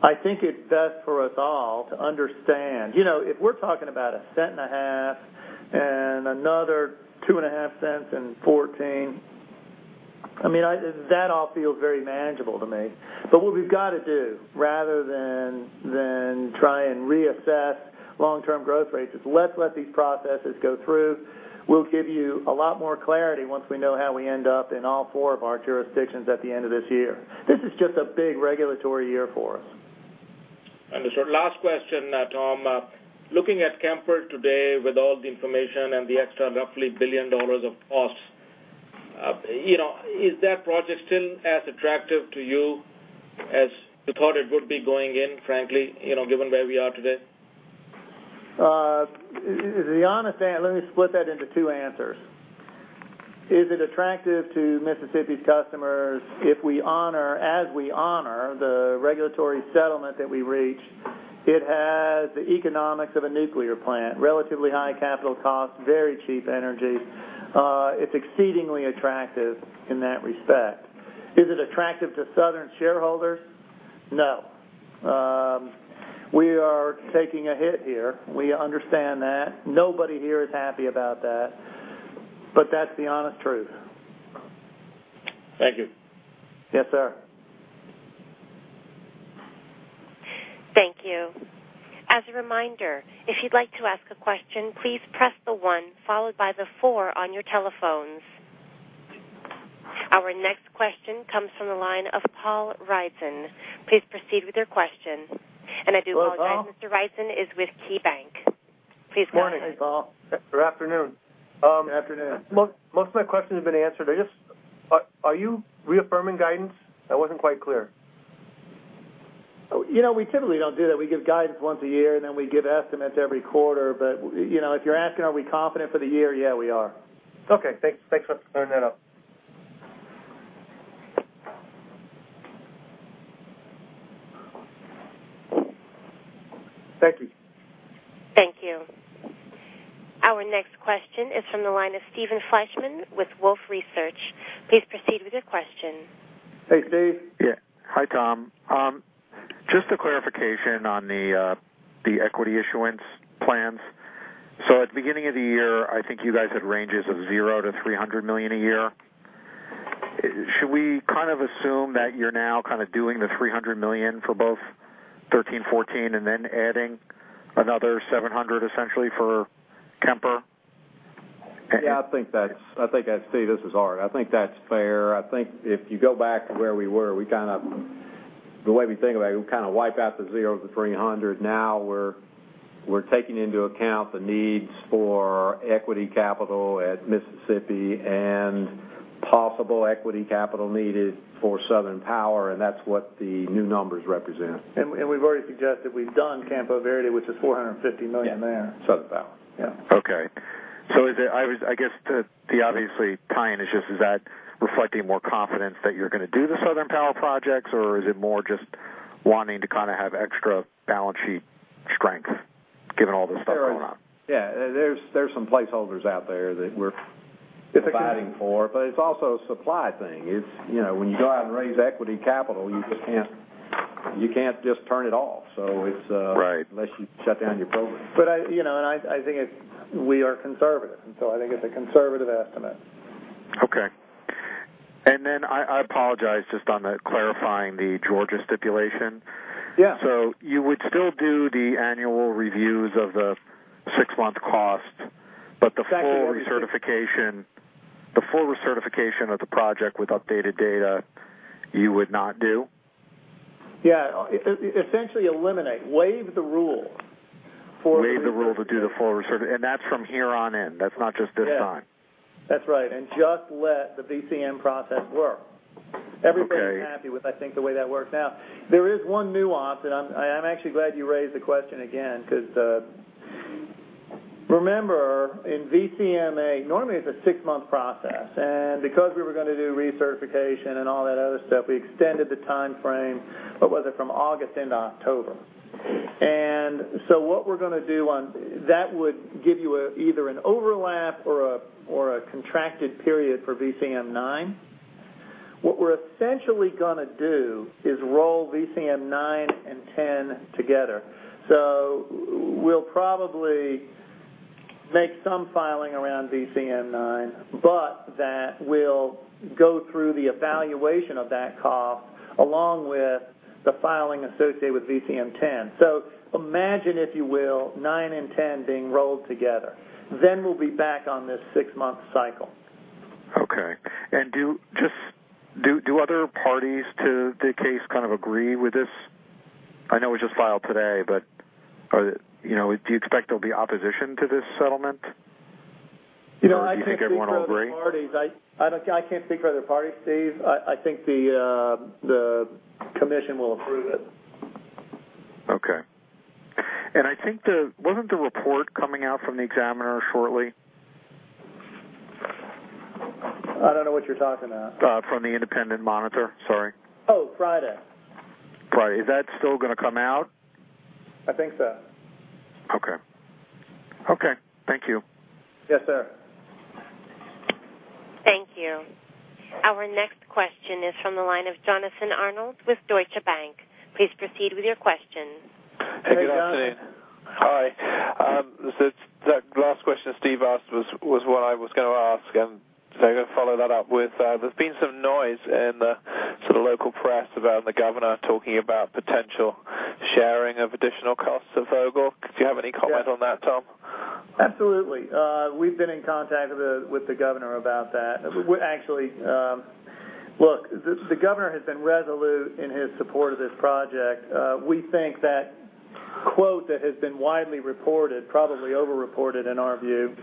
C: I think it's best for us all to understand if we're talking about $0.015 and another $0.025 in 2014, I mean, that all feels very manageable to me, but what we've got to do rather than try and reassess long-term growth rates is let's let these processes go through. We'll give you a lot more clarity once we know how we end up in all four of our jurisdictions at the end of this year. This is just a big regulatory year for us.
H: Understood. Last question, Tom. Looking at Kemper today with all the information and the extra roughly billion dollars of costs, is that project still as attractive to you as you thought it would be going in, frankly, given where we are today? The honest answer, let me split that into two answers. Is it attractive to Mississippi's customers if we honor, as we honor, the regulatory settlement that we reach? It has the economics of a nuclear plant, relatively high capital cost, very cheap energy. It's exceedingly attractive in that respect. Is it attractive to Southern shareholders? No. We are taking a hit here. We understand that. Nobody here is happy about that, but that's the honest truth. Thank you.
C: Yes, sir.
A: Thank you. As a reminder, if you'd like to ask a question, please press the 1 followed by the 4 on your telephones. Our next question comes from the line of Paul Ridzon. Please proceed with your question. And I do apologize. Mr. Ridzon is with KeyBanc. Please go ahead.
I: Morning. Good afternoon. Good afternoon. Most of my questions have been answered. Are you reaffirming guidance? That wasn't quite clear.
C: We typically don't do that. We give guidance once a year, and then we give estimates every quarter. But if you're asking are we confident for the year, yeah, we are.
I: Okay. Thanks for clearing that up.
C: Thank you.
A: Thank you. Our next question is from the line of Stephen Fleishman with Wolfe Research. Please proceed with your question.
C: Hey, Steve.
J: Yeah. Hi, Tom. Just a clarification on the equity issuance plans. So at the beginning of the year, I think you guys had ranges of $0-$300 million a year. Should we kind of assume that you're now kind of doing the $300 million for both 2013, 2014, and then adding another $700 million essentially for Kemper?
C: Yeah. I think that's. I think I'd say this is hard. I think that's fair. I think if you go back to where we were, we kind of. The way we think about it, we kind of wipe out the $0-$300 million. Now we're taking into account the needs for equity capital at Mississippi and possible equity capital needed for Southern Power, and that's what the new numbers represent.
D: And we've already suggested we've done Campo Verde, which is $450 million there.
C: Yeah. Southern Power. Yeah. Okay. So I guess the obvious tie-in is just, is that reflecting more confidence that you're going to do the Southern Power projects, or is it more just wanting to kind of have extra balance sheet strength given all this stuff going on?
J: Sure. Yeah.
C: There's some placeholders out there that we're fighting for, but it's also a supply thing. When you go out and raise equity capital, you can't just turn it off. So it's unless you shut down your program. But I think we are conservative, and so I think it's a conservative estimate.
J: Okay. And then I apologize just on clarifying the Georgia stipulation. So you would still do the annual reviews of the six-month cost, but the full recertification of the project with updated data, you would not do?
C: Yeah. Essentially eliminate, waive the rule for, waive the rule to do the full recertification.
D: And that's from here on in. That's not just this time.
C: Yeah. That's right. And just let the VCM process work. Everybody's happy with, I think, the way that works now. There is one nuance, and I'm actually glad you raised the question again because remember, in VCM 8, normally it's a six-month process. And because we were going to do recertification and all that other stuff, we extended the timeframe, but was it from August into October? And so what we're going to do on that would give you either an overlap or a contracted period for VCM 9. What we're essentially going to do is roll VCM 9 and 10 together. So we'll probably make some filing around VCM 9, but that will go through the evaluation of that cost along with the filing associated with VCM 10. So imagine, if you will, 9 and 10 being rolled together. Then we'll be back on this six-month cycle. Okay. And do other parties to the case kind of agree with this? I know it was just filed today, but do you expect there'll be opposition to this settlement? Do you think everyone will agree? I can't speak for other parties, Steve. I think the commission will approve it.
J: Okay. And I think, wasn't the report coming out from the examiner shortly?
C: I don't know what you're talking about.
J: From the independent monitor? Sorry. Oh, Friday. Friday. Is that still going to come out?
C: I think so.
J: Okay. Okay. Thank you. Yes, sir.
A: Thank you. Our next question is from the line of Jonathan Arnold with Deutsche Bank. Please proceed with your question.
C: Hey, good afternoon.
K: Hi. The last question Steve asked was what I was going to ask, and so I'm going to follow that up with there's been some noise in the local press around the governor talking about potential sharing of additional costs of Vogtle. Do you have any comment on that, Tom?
C: Absolutely. We've been in contact with the governor about that. Actually, look, the governor has been resolute in his support of this project. We think that quote that has been widely reported, probably overreported in our view,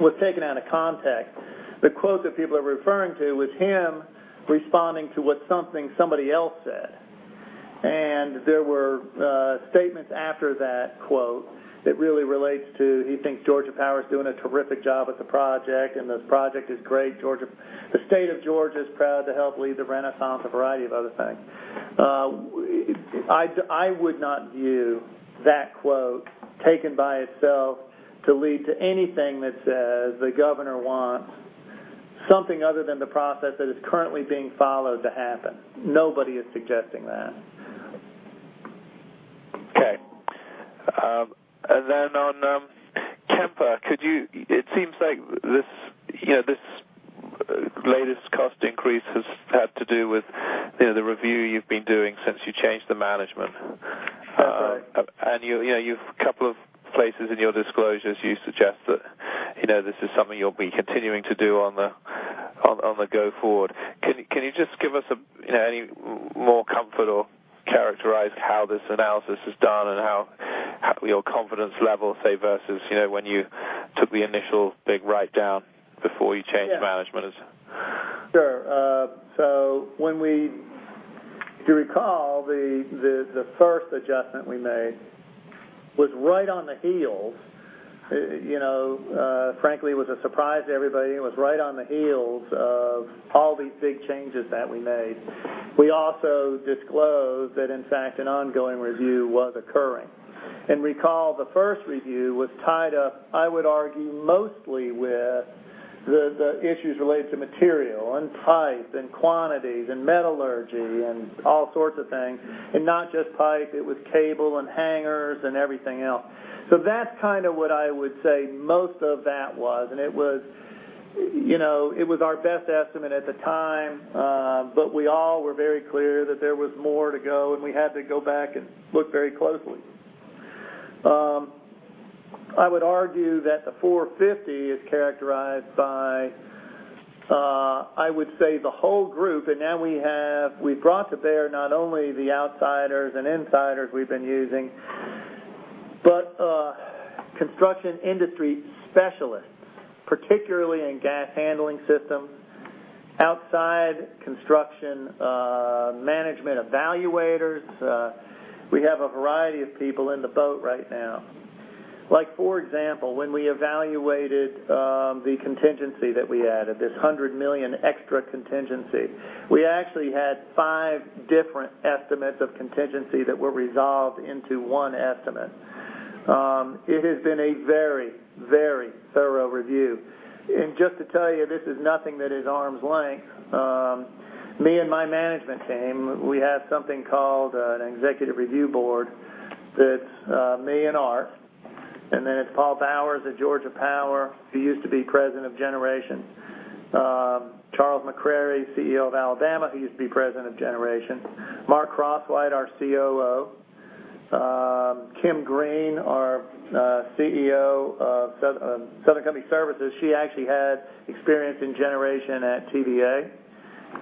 C: was taken out of context. The quote that people are referring to was him responding to what something somebody else said. And there were statements after that quote that really relates to he thinks Georgia Power is doing a terrific job with the project, and the project is great. The state of Georgia is proud to help lead the renaissance, a variety of other things. I would not view that quote taken by itself to lead to anything that says the governor wants something other than the process that is currently being followed to happen. Nobody is suggesting that.
K: Okay. And then on Kemper, it seems like this latest cost increase has had to do with the review you've been doing since you changed the management. And you have a couple of places in your disclosures you suggest that this is something you'll be continuing to do on the go-forward. Can you just give us any more comfort or characterize how this analysis is done and how your confidence level, say, versus when you took the initial big write-down before you changed management?
D: Sure. So when we, if you recall, the first adjustment we made was right on the heels. Frankly, it was a surprise to everybody. It was right on the heels of all these big changes that we made. We also disclosed that, in fact, an ongoing review was occurring. And recall, the first review was tied up, I would argue, mostly with the issues related to material and pipe and quantities and metallurgy and all sorts of things. And not just pipe. It was cable and hangers and everything else. So that's kind of what I would say most of that was. And it was our best estimate at the time, but we all were very clear that there was more to go, and we had to go back and look very closely. I would argue that the 450 is characterized by, I would say, the whole group. Now we've brought to bear not only the outsiders and insiders we've been using, but construction industry specialists, particularly in gas handling systems, outside construction management evaluators. We have a variety of people on board right now. For example, when we evaluated the contingency that we added, this $100 million extra contingency, we actually had five different estimates of contingency that were resolved into one estimate. It has been a very, very thorough review. Just to tell you, this is nothing that is arm's length. Me and my management team, we have something called an executive review board that's me and Art, and then it's Paul Bowers at Georgia Power, who used to be president of Generation, Charles McCrary, CEO of Alabama Power, who used to be president of Generation, Mark Crosswhite, our COO, Kim Greene, our CEO of Southern Company Services. She actually had experience in Generation at TVA.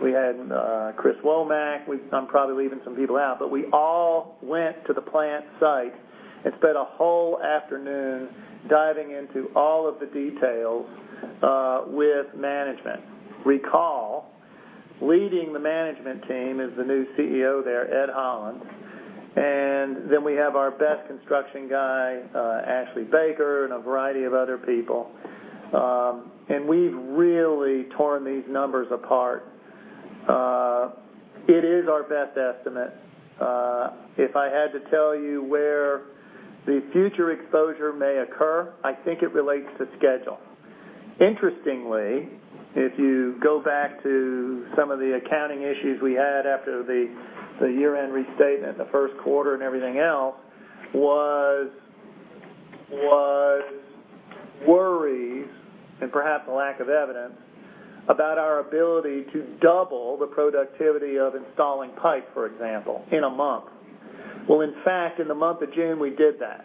D: We had Chris Womack. I'm probably leaving some people out, but we all went to the plant site and spent a whole afternoon diving into all of the details with management. Recall, leading the management team is the new CEO there, Ed Holland, and then we have our best construction guy, Ashley Baker, and a variety of other people, and we've really torn these numbers apart. It is our best estimate. If I had to tell you where the future exposure may occur, I think it relates to schedule. Interestingly, if you go back to some of the accounting issues we had after the year-end restatement, the first quarter, and everything else, was worries and perhaps a lack of evidence about our ability to double the productivity of installing pipe, for example, in a month. In fact, in the month of June, we did that.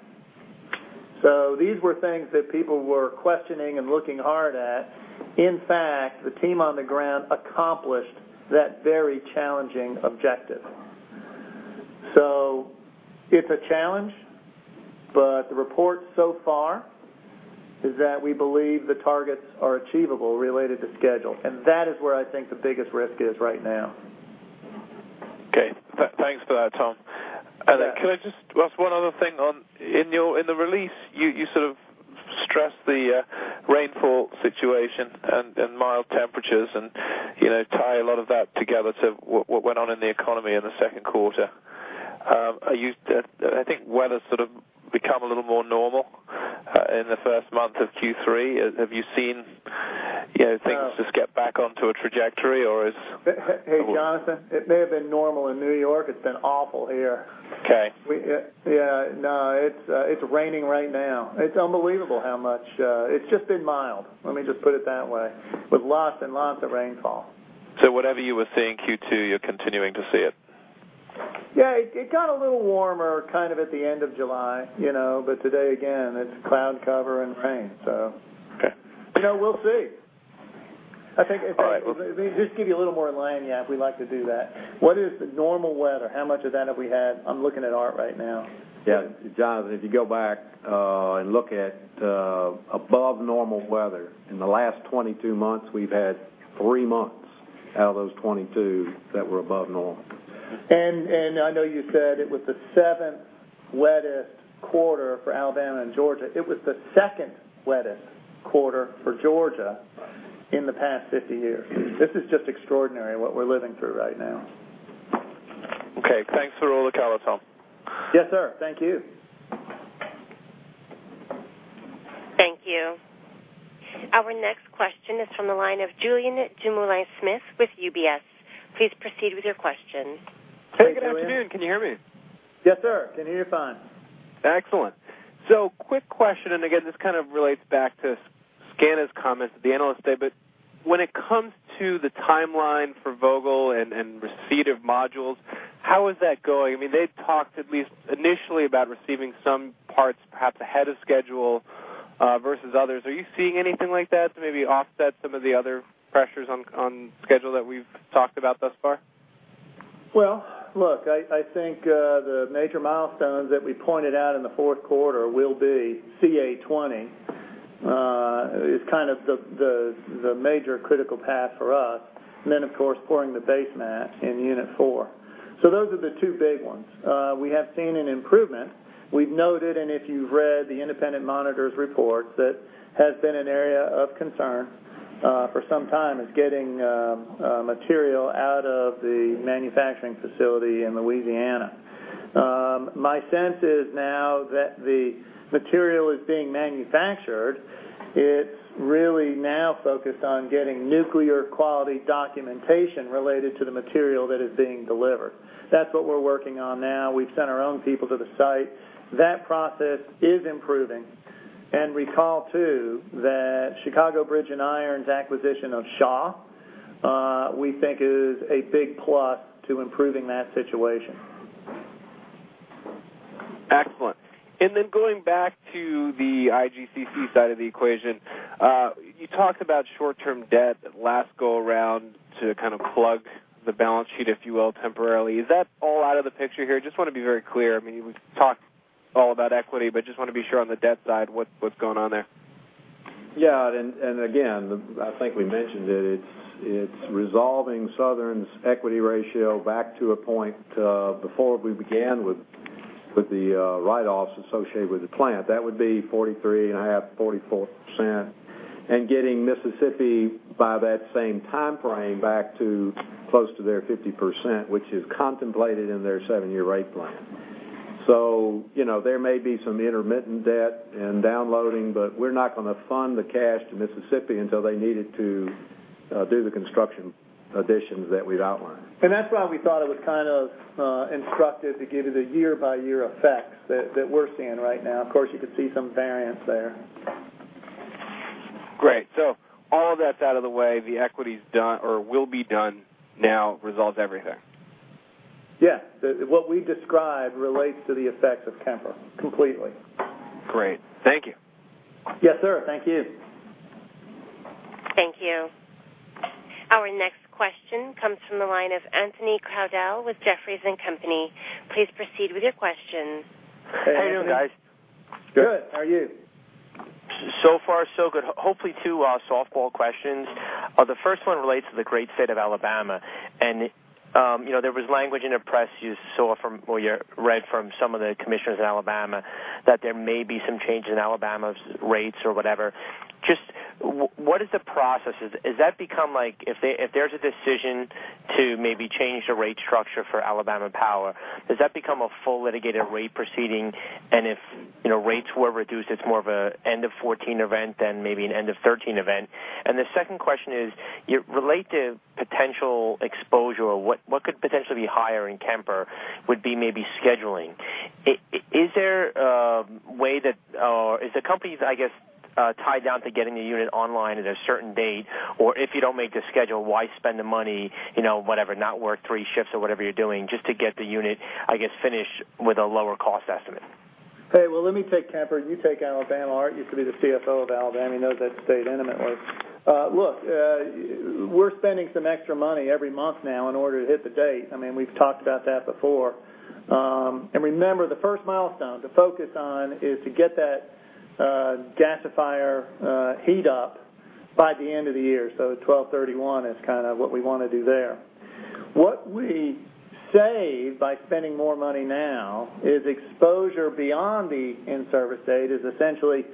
D: These were things that people were questioning and looking hard at. In fact, the team on the ground accomplished that very challenging objective. It's a challenge, but the report so far is that we believe the targets are achievable related to schedule. That is where I think the biggest risk is right now.
K: Okay. Thanks for that, Tom. Can I just, well, that's one other thing. In the release, you sort of stressed the rainfall situation and mild temperatures and tied a lot of that together to what went on in the economy in the second quarter. I think weather's sort of become a little more normal in the first month of Q3. Have you seen things just get back onto a trajectory, or is.
C: Hey, Jonathan, it may have been normal in New York. It's been awful here. Yeah. No, it's raining right now. It's unbelievable how much, it's just been mild. Let me just put it that way. With lots and lots of rainfall. So whatever you were seeing Q2, you're continuing to see it? Yeah. It got a little warmer kind of at the end of July, but today, again, it's cloud cover and rain, so. We'll see. I think if they just give you a little more in line, yeah, we'd like to do that. What is the normal weather? How much of that have we had? I'm looking at Art right now. Yeah. Jonathan, if you go back and look at above-normal weather in the last 22 months, we've had three months out of those 22 that were above normal. And I know you said it was the seventh wettest quarter for Alabama and Georgia. It was the second wettest quarter for Georgia in the past 50 years. This is just extraordinary what we're living through right now. Okay. Thanks for all the color, Tom. Yes, sir. Thank you. Thank you. Our next question is from the line of Julian Dumoulin-Smith with UBS. Please proceed with your question. Hey, good afternoon. Can you hear me? Yes, sir. Can you hear me fine? Excellent. So quick question. And again, this kind of relates back to SCANA's comments at the analyst day, but when it comes to the timeline for Vogtle and receipt of modules, how is that going? I mean, they've talked at least initially about receiving some parts perhaps ahead of schedule versus others. Are you seeing anything like that to maybe offset some of the other pressures on schedule that we've talked about thus far? Look, I think the major milestones that we pointed out in the fourth quarter will be CA20 is kind of the major critical path for us. And then, of course, pouring the basemat in Unit 4. So those are the two big ones. We have seen an improvement. We've noted, and if you've read the independent monitor's reports, that has been an area of concern for some time is getting material out of the manufacturing facility in Louisiana. My sense is now that the material is being manufactured. It's really now focused on getting nuclear-quality documentation related to the material that is being delivered. That's what we're working on now. We've sent our own people to the site. That process is improving. And recall too that Chicago Bridge & Iron's acquisition of Shaw, we think, is a big plus to improving that situation.
D: Excellent. And then going back to the IGCC side of the equation, you talked about short-term debt last go-around to kind of plug the balance sheet, if you will, temporarily. Is that all out of the picture here? Just want to be very clear. I mean, we've talked all about equity, but just want to be sure on the debt side, what's going on there? Yeah. And again, I think we mentioned it. It's resolving Southern's equity ratio back to a point before we began with the write-offs associated with the plant. That would be 43.5%-44%. And getting Mississippi by that same timeframe back to close to their 50%, which is contemplated in their seven-year rate plan. So there may be some intermittent debt and downloading, but we're not going to fund the cash to Mississippi until they need it to do the construction additions that we've outlined. And that's why we thought it was kind of instructive to give you the year-by-year effects that we're seeing right now. Of course, you could see some variance there. Great. So all of that's out of the way. The equity's done or will be done now resolves everything. Yeah. What we described relates to the effects of Kemper, completely.
C: Great. Thank you.
D: Yes, sir. Thank you.
A: Thank you. Our next question comes from the line of Anthony Crowdell with Jefferies & Company. Please proceed with your question.
C: Hey, guys. Good. How are you? So far, so good. Hopefully, two softball questions. The first one relates to the Great State of Alabama. And there was language in the press you saw or read from some of the commissioners in Alabama that there may be some changes in Alabama's rates or whatever. Just what is the process? Has that become like if there's a decision to maybe change the rate structure for Alabama Power, has that become a full litigated rate proceeding? And if rates were reduced, it's more of an end-of-14 event than maybe an end-of-13 event. And the second question is related to potential exposure, what could potentially be higher in Kemper would be maybe scheduling. Is there a way that or is the companies, I guess, tied down to getting the unit online at a certain date? Or if you don't make the schedule, why spend the money, whatever, not work three shifts or whatever you're doing just to get the unit, I guess, finished with a lower cost estimate? Hey, well, let me take Kemper. You take Alabama. Art used to be the CFO of Alabama. He knows that state intimately. Look, we're spending some extra money every month now in order to hit the date. I mean, we've talked about that before. And remember, the first milestone to focus on is to get that gasifier heat up by the end of the year. So 12/31 is kind of what we want to do there. What we save by spending more money now is exposure beyond the in-service date is essentially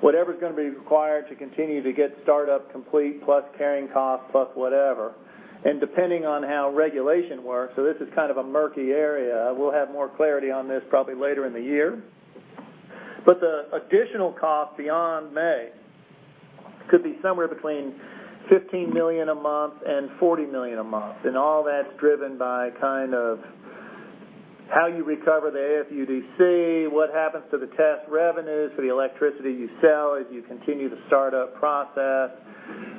C: whatever's going to be required to continue to get startup complete plus carrying cost plus whatever. And depending on how regulation works, so this is kind of a murky area. We'll have more clarity on this probably later in the year. But the additional cost beyond May could be somewhere between $15 million a month and $40 million a month. All that's driven by kind of how you recover the AFUDC, what happens to the test revenues for the electricity you sell as you continue the startup process,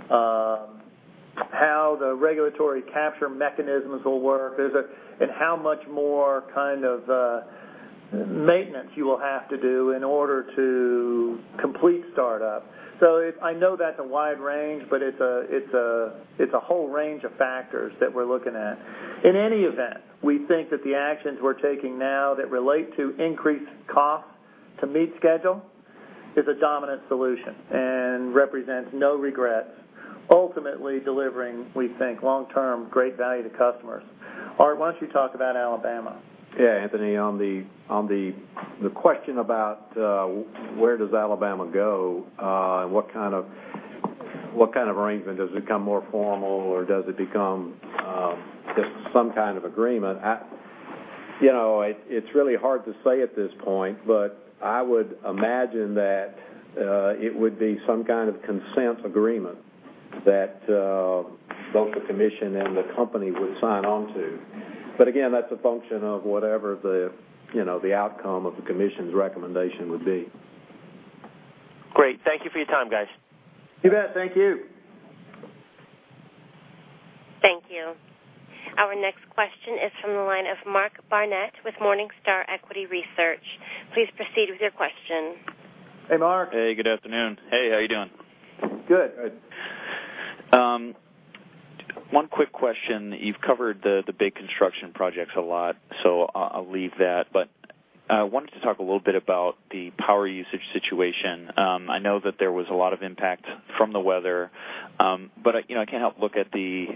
C: how the regulatory capture mechanisms will work, and how much more kind of maintenance you will have to do in order to complete startup. I know that's a wide range, but it's a whole range of factors that we're looking at. In any event, we think that the actions we're taking now that relate to increased cost to meet schedule is a dominant solution and represents no regrets, ultimately delivering, we think, long-term great value to customers. Art, why don't you talk about Alabama? Yeah, Anthony, on the question about where does Alabama go and what kind of arrangement? Does it become more formal, or does it become just some kind of agreement? It's really hard to say at this point, but I would imagine that it would be some kind of consent agreement that both the commission and the company would sign onto. But again, that's a function of whatever the outcome of the commission's recommendation would be.
L: Great. Thank you for your time, guys.
C: You bet. Thank you.
A: Thank you. Our next question is from the line of Mark Barnett with Morningstar Equity Research. Please proceed with your question.
C: Hey, Mark.
M: Hey, good afternoon. Hey, how are you doing? Good. One quick question. You've covered the big construction projects a lot, so I'll leave that. But I wanted to talk a little bit about the power usage situation. I know that there was a lot of impact from the weather, but I can't help but look at the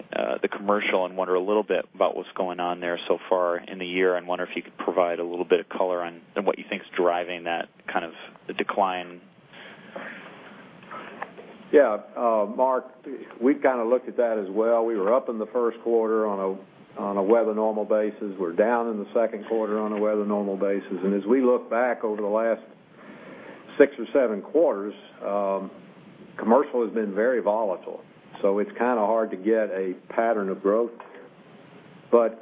M: commercial and wonder a little bit about what's going on there so far in the year and wonder if you could provide a little bit of color on what you think is driving that kind of decline?
C: Yeah. Mark, we've kind of looked at that as well. We were up in the first quarter on a weather-normal basis. We're down in the second quarter on a weather-normal basis. And as we look back over the last six or seven quarters, commercial has been very volatile. So it's kind of hard to get a pattern of growth. But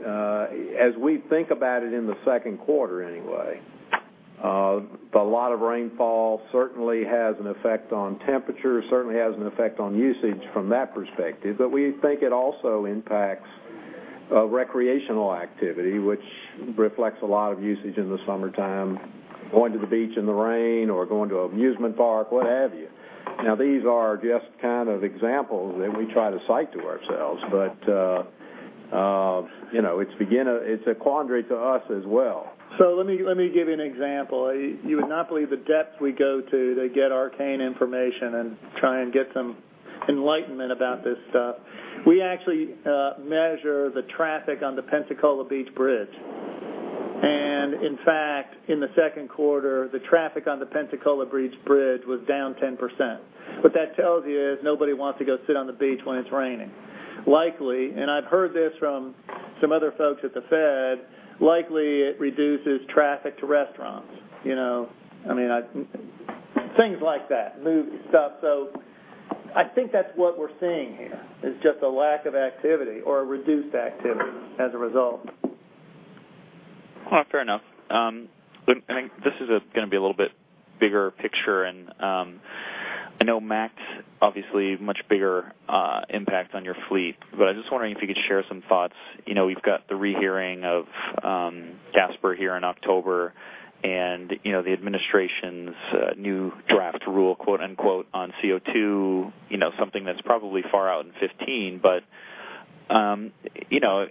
C: as we think about it in the second quarter anyway, a lot of rainfall certainly has an effect on temperature, certainly has an effect on usage from that perspective. But we think it also impacts recreational activity, which reflects a lot of usage in the summertime, going to the beach in the rain or going to an amusement park, what have you. Now, these are just kind of examples that we try to cite to ourselves, but it's a quandary to us as well. So let me give you an example. You would not believe the depth we go to to get arcane information and try and get some enlightenment about this stuff. We actually measure the traffic on the Pensacola Beach Bridge. And in fact, in the second quarter, the traffic on the Pensacola Bridge was down 10%. What that tells you is nobody wants to go sit on the beach when it's raining. And I've heard this from some other folks at the Fed. Likely, it reduces traffic to restaurants. I mean, things like that, movie stuff. So I think that's what we're seeing here is just a lack of activity or a reduced activity as a result. Fair enough. I think this is going to be a little bit bigger picture. And I know MATS, obviously, much bigger impact on your fleet. But I was just wondering if you could share some thoughts. We've got the rehearing of CSAPR here in October and the administration's new draft rule, quote-unquote, on CO2, something that's probably far out in 2015, but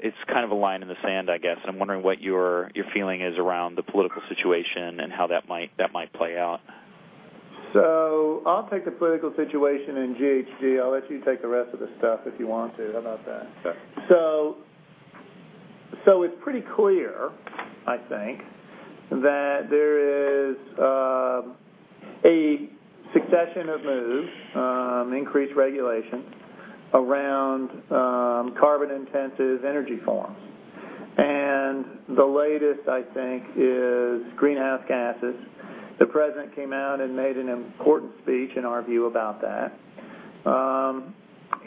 C: it's kind of a line in the sand, I guess. And I'm wondering what your feeling is around the political situation and how that might play out. So I'll take the political situation in GHG. I'll let you take the rest of the stuff if you want to. How about that? So it's pretty clear, I think, that there is a succession of moves, increased regulation around carbon-intensive energy forms, and the latest, I think, is greenhouse gases. The president came out and made an important speech, in our view, about that.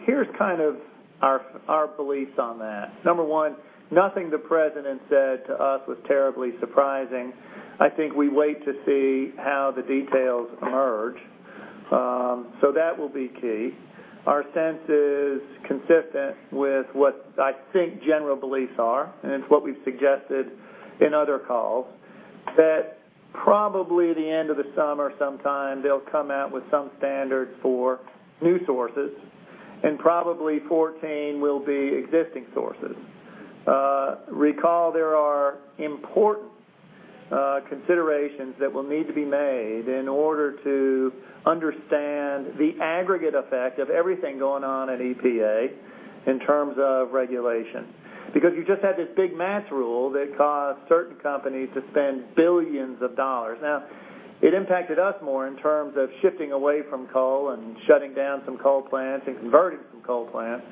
C: Here's kind of our beliefs on that. Number one, nothing the president said to us was terribly surprising. I think we wait to see how the details emerge, so that will be key. Our sense is consistent with what I think general beliefs are, and it's what we've suggested in other calls, that probably at the end of the summer sometime, they'll come out with some standards for new sources, and probably 2014 will be existing sources. Recall there are important considerations that will need to be made in order to understand the aggregate effect of everything going on at EPA in terms of regulation.
D: Because you just had this big MATS rule that caused certain companies to spend billions of dollars. Now, it impacted us more in terms of shifting away from coal and shutting down some coal plants and converting some coal plants.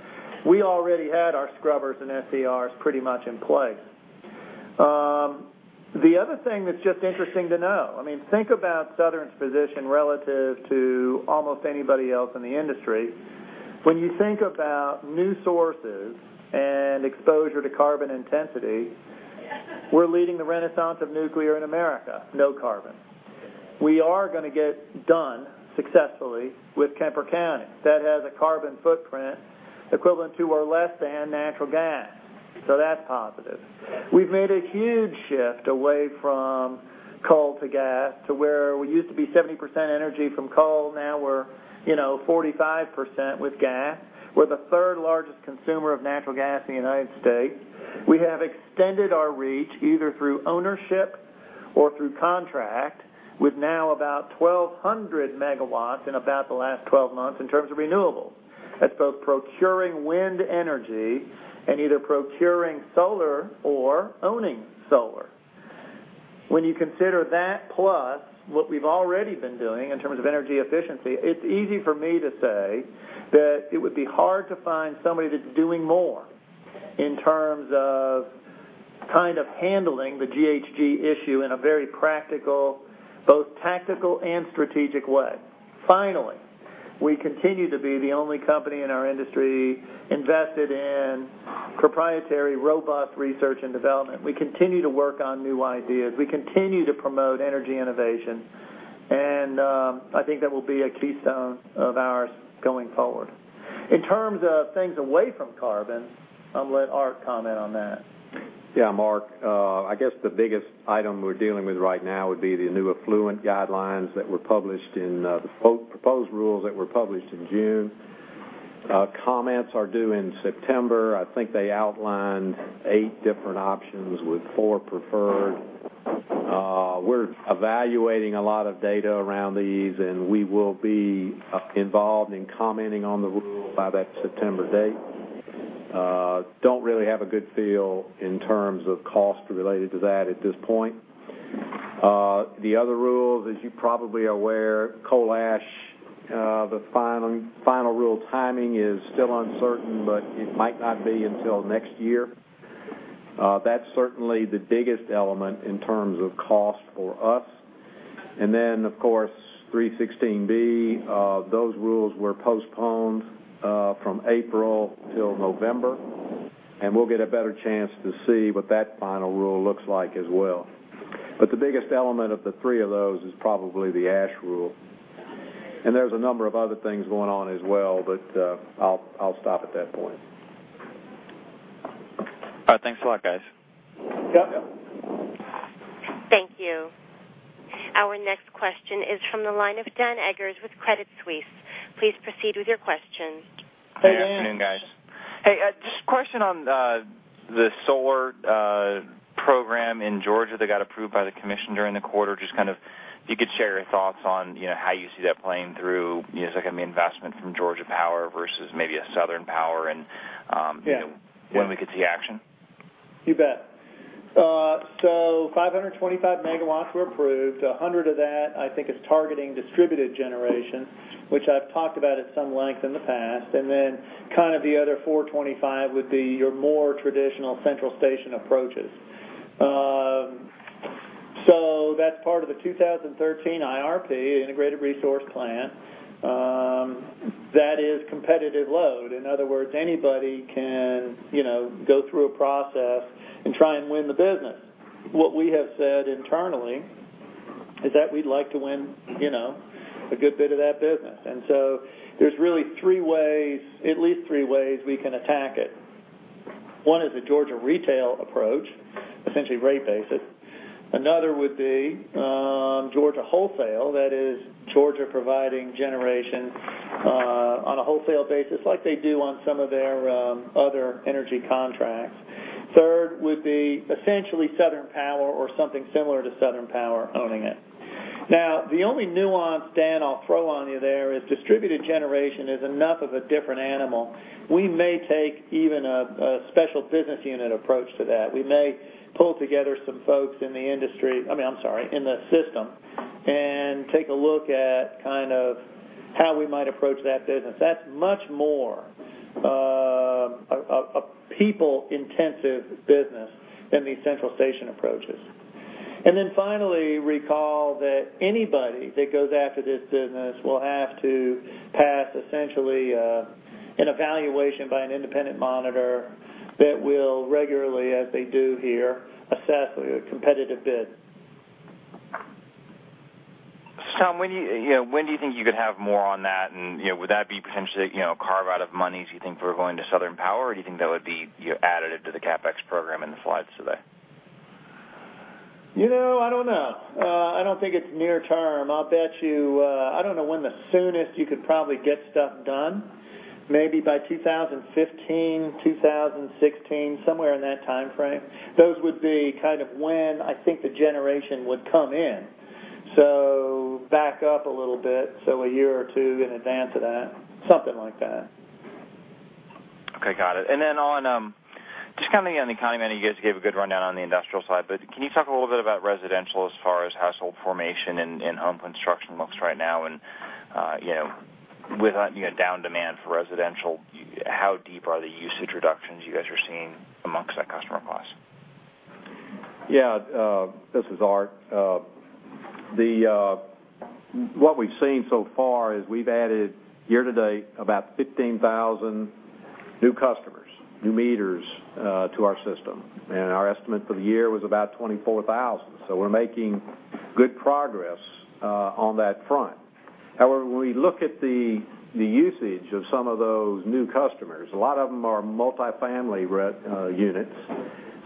D: We already had our scrubbers and SCRs pretty much in place. The other thing that's just interesting to know, I mean, think about Southern's position relative to almost anybody else in the industry. When you think about new sources and exposure to carbon intensity, we're leading the renaissance of nuclear in America, no carbon. We are going to get done successfully with Kemper County that has a carbon footprint equivalent to or less than natural gas. So that's positive. We've made a huge shift away from coal to gas to where we used to be 70% energy from coal. Now we're 45% with gas. We're the third largest consumer of natural gas in the United States. We have extended our reach either through ownership or through contract with now about 1,200 megawatts in about the last 12 months in terms of renewables. That's both procuring wind energy and either procuring solar or owning solar. When you consider that plus what we've already been doing in terms of energy efficiency, it's easy for me to say that it would be hard to find somebody that's doing more in terms of kind of handling the GHG issue in a very practical, both tactical and strategic way. Finally, we continue to be the only company in our industry invested in proprietary robust research and development. We continue to work on new ideas. We continue to promote energy innovation. And I think that will be a keystone of ours going forward.
C: In terms of things away from carbon, I'll let Art comment on that.
D: Yeah, Mark. I guess the biggest item we're dealing with right now would be the new effluent guidelines that were published in the proposed rules that were published in June. Comments are due in September. I think they outlined eight different options with four preferred. We're evaluating a lot of data around these, and we will be involved in commenting on the rule by that September date. Don't really have a good feel in terms of cost related to that at this point. The other rules, as you probably are aware, coal ash, the final rule timing is still uncertain, but it might not be until next year. That's certainly the biggest element in terms of cost for us. And then, of course, 316(b), those rules were postponed from April till November. We'll get a better chance to see what that final rule looks like as well. But the biggest element of the three of those is probably the ash rule. And there's a number of other things going on as well, but I'll stop at that point.
M: All right. Thanks a lot, guys.
D: Yep.
A: Thank you. Our next question is from the line of Dan Eggers with Credit Suisse. Please proceed with your question.
N: Hey, guys. Hey, just a question on the solar program in Georgia that got approved by the commission during the quarter. Just kind of if you could share your thoughts on how you see that playing through, like an investment from Georgia Power versus maybe a Southern Power and when we could see action.
C: You bet. So 525 megawatts were approved. 100 of that, I think, is targeting distributed generation, which I've talked about at some length in the past, and then kind of the other 425 would be your more traditional central station approaches, so that's part of the 2013 IRP, Integrated Resource Plan. That is competitive load. In other words, anybody can go through a process and try and win the business. What we have said internally is that we'd like to win a good bit of that business, and so there's really three ways, at least three ways we can attack it. One is a Georgia retail approach, essentially rate-based. Another would be Georgia wholesale. That is Georgia providing generation on a wholesale basis like they do on some of their other energy contracts. Third would be essentially Southern Power or something similar to Southern Power owning it. Now, the only nuance, Dan, I'll throw on you there is distributed generation is enough of a different animal. We may take even a special business unit approach to that. We may pull together some folks in the industry I mean, I'm sorry, in the system and take a look at kind of how we might approach that business. That's much more a people-intensive business than the central station approaches. And then finally, recall that anybody that goes after this business will have to pass essentially an evaluation by an independent monitor that will regularly, as they do here, assess a competitive bid. Tom, when do you think you could have more on that? And would that be potentially a carve-out of monies, you think, for going to Southern Power? Or do you think that would be added into the CapEx program in the slides today? I don't know. I don't think it's near term. I'll bet you I don't know when the soonest you could probably get stuff done. Maybe by 2015, 2016, somewhere in that time frame. Those would be kind of when I think the generation would come in. So back up a little bit, so a year or two in advance of that, something like that.
N: Okay. Got it and then on just kind of the economy, you guys gave a good rundown on the industrial side, but can you talk a little bit about residential as far as household formation and home construction looks right now? And with down demand for residential, how deep are the usage reductions you guys are seeing amongst that customer class?
D: Yeah. This is Art. What we've seen so far is we've added year to date about 15,000 new customers, new meters to our system. Our estimate for the year was about 24,000. So we're making good progress on that front. However, when we look at the usage of some of those new customers, a lot of them are multifamily units.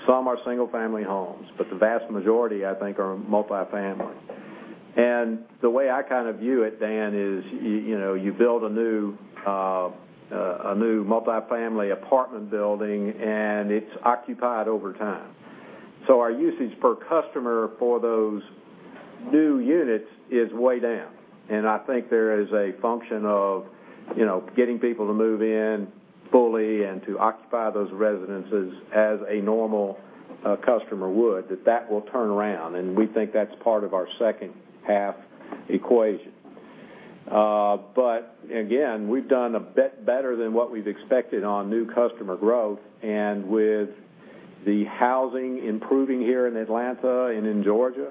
D: Some are single-family homes, but the vast majority, I think, are multifamily. And the way I kind of view it, Dan, is you build a new multifamily apartment building, and it's occupied over time. So our usage per customer for those new units is way down. And I think there is a function of getting people to move in fully and to occupy those residences as a normal customer would, that that will turn around. And we think that's part of our second-half equation. But again, we've done a bit better than what we've expected on new customer growth.
O: And with the housing improving here in Atlanta and in Georgia,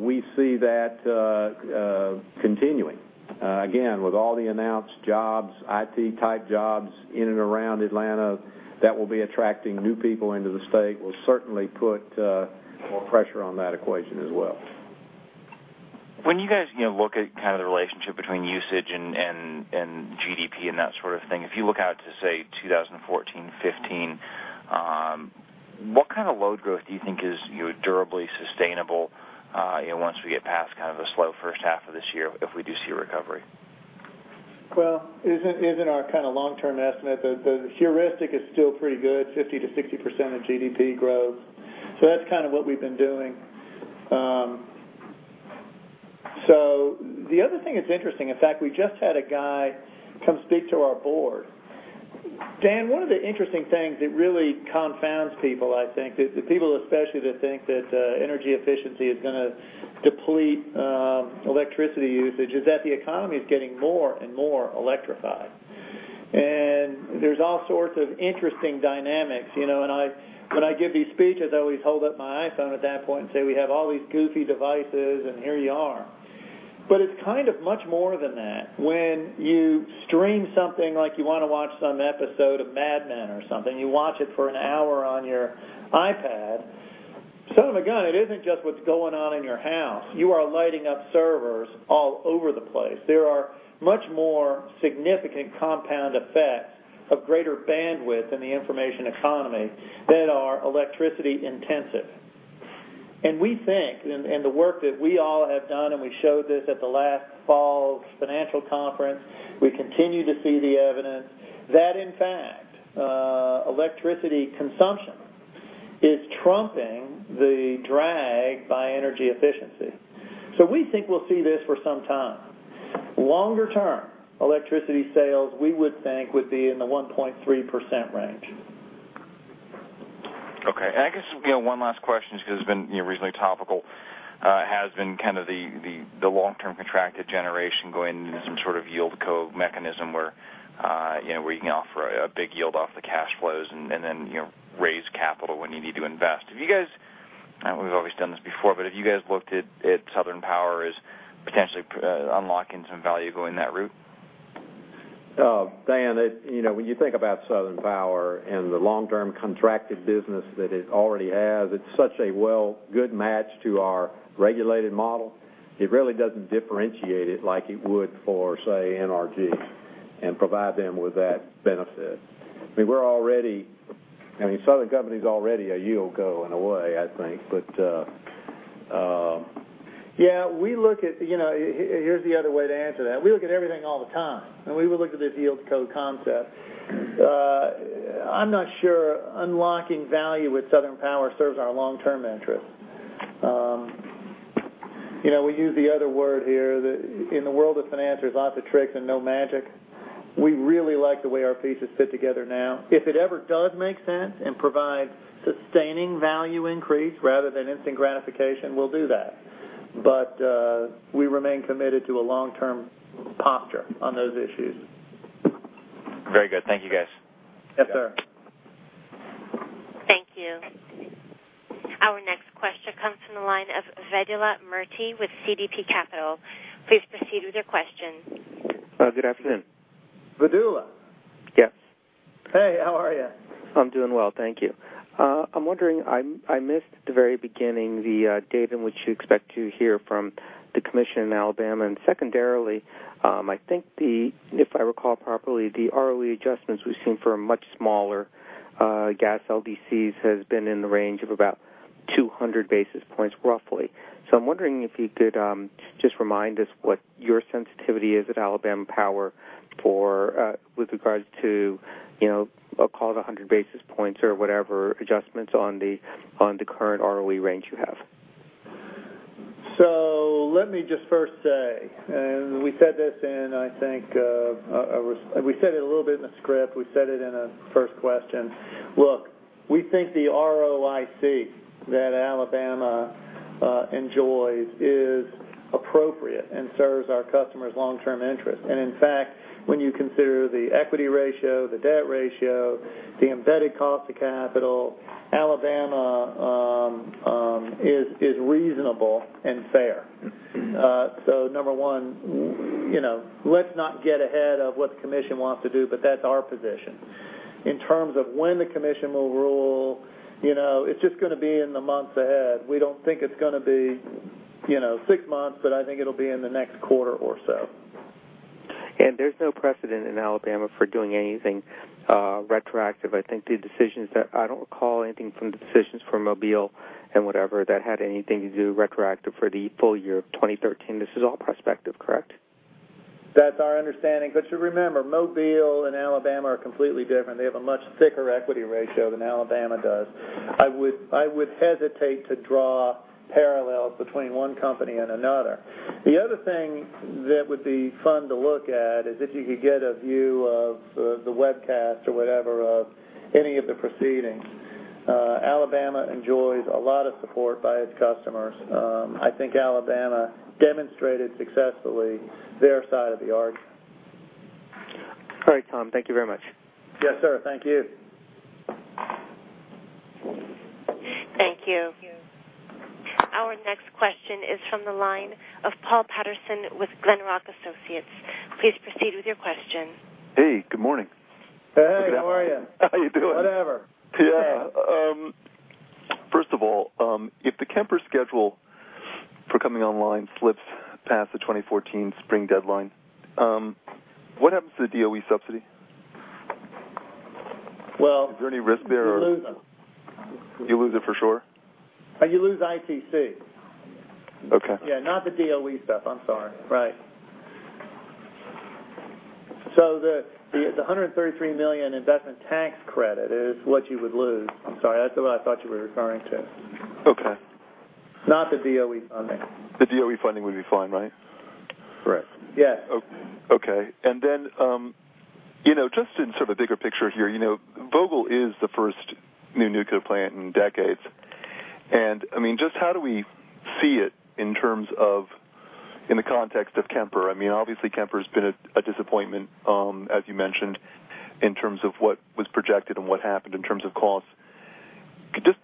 O: we see that continuing. Again, with all the announced jobs, IT-type jobs in and around Atlanta that will be attracting new people into the state will certainly put more pressure on that equation as well. When you guys look at kind of the relationship between usage and GDP and that sort of thing, if you look out to, say, 2014, 2015, what kind of load growth do you think is durably sustainable once we get past kind of a slow first half of this year if we do see a recovery? Well, isn't our kind of long-term estimate that the heuristic is still pretty good, 50%-60% of GDP growth. So that's kind of what we've been doing. So the other thing that's interesting, in fact, we just had a guy come speak to our board.
D: Dan, one of the interesting things that really confounds people, I think, the people especially that think that energy efficiency is going to deplete electricity usage, is that the economy is getting more and more electrified. And there's all sorts of interesting dynamics. And when I give these speeches, I always hold up my iPhone at that point and say, "We have all these goofy devices, and here you are." But it's kind of much more than that. When you stream something like you want to watch some episode of Mad Men or something, you watch it for an hour on your iPad, suddenly, again, it isn't just what's going on in your house. You are lighting up servers all over the place. There are much more significant compound effects of greater bandwidth in the information economy that are electricity-intensive.
C: We think, and the work that we all have done, and we showed this at the last fall financial conference, we continue to see the evidence that, in fact, electricity consumption is trumping the drag by energy efficiency. So we think we'll see this for some time. Longer-term electricity sales, we would think, would be in the 1.3% range. Okay. And I guess one last question just because it's been reasonably topical. It has been kind of the long-term contracted generation going into some sort of YieldCo mechanism where you can offer a big yield off the cash flows and then raise capital when you need to invest. Have you guys, we've always done this before, but have you guys looked at Southern Power as potentially unlocking some value going that route?
D: Dan, when you think about Southern Power and the long-term contracted business that it already has, it's such a well-good match to our regulated model. It really doesn't differentiate it like it would for, say, NRG and provide them with that benefit. I mean, we're already. I mean, Southern Company is already a YieldCo in a way, I think. But yeah, we look at. Here's the other way to answer that. We look at everything all the time. And we will look at this YieldCo concept. I'm not sure unlocking value with Southern Power serves our long-term interest. We use the other word here that in the world of finance, there's lots of tricks and no magic. We really like the way our pieces fit together now. If it ever does make sense and provides sustaining value increase rather than instant gratification, we'll do that. But we remain committed to a long-term posture on those issues.
N: Very good. Thank you, guys.
C: Yes, sir.
A: Thank you. Our next question comes from the line of Vedula Murti with CDP Capital. Please proceed with your question.
P: Good afternoon, Vedula. Yes.
C: Hey, how are you?
P: I'm doing well. Thank you. I'm wondering, I missed at the very beginning the date in which you expect to hear from the commission in Alabama. And secondarily, I think, if I recall properly, the early adjustments we've seen for much smaller gas LDCs has been in the range of about 200 basis points, roughly. So I'm wondering if you could just remind us what your sensitivity is at Alabama Power with regards to, I'll call it, 100 basis points or whatever adjustments on the current ROE range you have.
C: So let me just first say, and we said this in, I think, we said it a little bit in the script. We said it in a first question. Look, we think the ROIC that Alabama enjoys is appropriate and serves our customer's long-term interest. And in fact, when you consider the equity ratio, the debt ratio, the embedded cost of capital, Alabama is reasonable and fair. So number one, let's not get ahead of what the commission wants to do, but that's our position. In terms of when the commission will rule, it's just going to be in the months ahead. We don't think it's going to be six months, but I think it'll be in the next quarter or so. And there's no precedent in Alabama for doing anything retroactive. I think the decisions that I don't recall anything from the decisions for Mobile and whatever that had anything to do retroactive for the full year of 2013. This is all prospective, correct? That's our understanding. But you remember, Mobile and Alabama are completely different. They have a much thicker equity ratio than Alabama does. I would hesitate to draw parallels between one company and another. The other thing that would be fun to look at is if you could get a view of the webcast or whatever of any of the proceedings. Alabama enjoys a lot of support by its customers. I think Alabama demonstrated successfully their side of the argument. All right, Tom. Thank you very much.
P: Yes, sir. Thank you.
A: Thank you. Our next question is from the line of Paul Patterson with Glenrock Associates. Please proceed with your question.
Q: Hey, good morning.
C: Hey. How are you? How are you doing? Whatever. Yeah.
Q: First of all, if the Kemper schedule for coming online slips past the 2014 spring deadline, what happens to the DOE subsidy? Well. Is there any risk there?
C: You lose it.
Q: You lose it for sure? You lose ITC. Yeah. Not the DOE stuff. I'm sorry. Right. So the $133 million investment tax credit is what you would lose. I'm sorry. That's what I thought you were referring to. Not the DOE funding. The DOE funding would be fine, right? Correct. Yes. Okay. Then just in sort of bigger picture here, Vogtle is the first new nuclear plant in decades. And I mean, just how do we see it in terms of in the context of Kemper? I mean, obviously, Kemper has been a disappointment, as you mentioned, in terms of what was projected and what happened in terms of cost.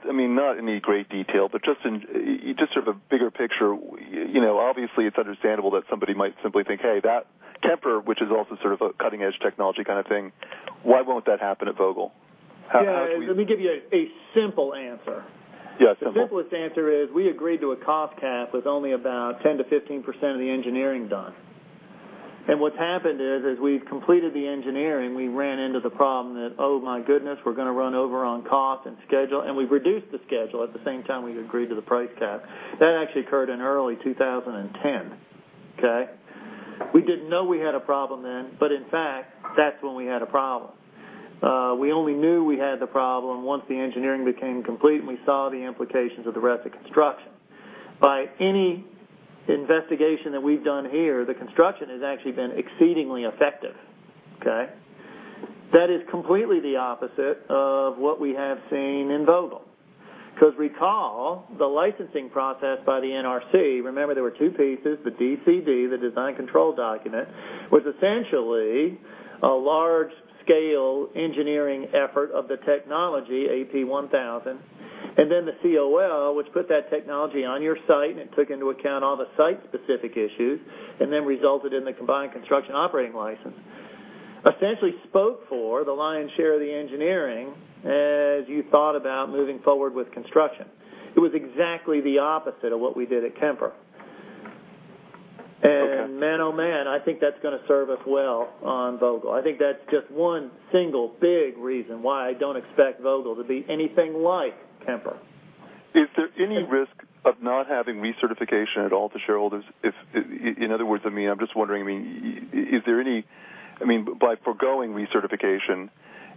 Q: I mean, not in any great detail, but just sort of a bigger picture. Obviously, it's understandable that somebody might simply think, "Hey, that Kemper, which is also sort of a cutting-edge technology kind of thing, why won't that happen at Vogtle?"
D: Yeah. Let me give you a simple answer. The simplest answer is we agreed to a cost cap with only about 10%-15% of the engineering done. And what's happened is, as we've completed the engineering, we ran into the problem that, "Oh my goodness, we're going to run over on cost and schedule." And we've reduced the schedule at the same time we agreed to the price cap. That actually occurred in early 2010. Okay? We didn't know we had a problem then, but in fact, that's when we had a problem. We only knew we had the problem once the engineering became complete and we saw the implications of the rest of the construction. By any investigation that we've done here, the construction has actually been exceedingly effective. Okay? That is completely the opposite of what we have seen in Vogtle. Because recall, the licensing process by the NRC, remember, there were two pieces, the DCD, the Design Control Document, was essentially a large-scale engineering effort of the technology, AP1000, and then the COL, which put that technology on your site and it took into account all the site-specific issues and then resulted in the Combined Construction Operating License, essentially spoke for the lion's share of the engineering as you thought about moving forward with construction. It was exactly the opposite of what we did at Kemper. And man, oh man, I think that's going to serve us well on Vogtle.
C: I think that's just one single big reason why I don't expect Vogtle to be anything like Kemper. Is there any risk of not having recertification at all to shareholders? In other words, I mean, I'm just wondering, I mean, is there any—I mean, by forgoing recertification,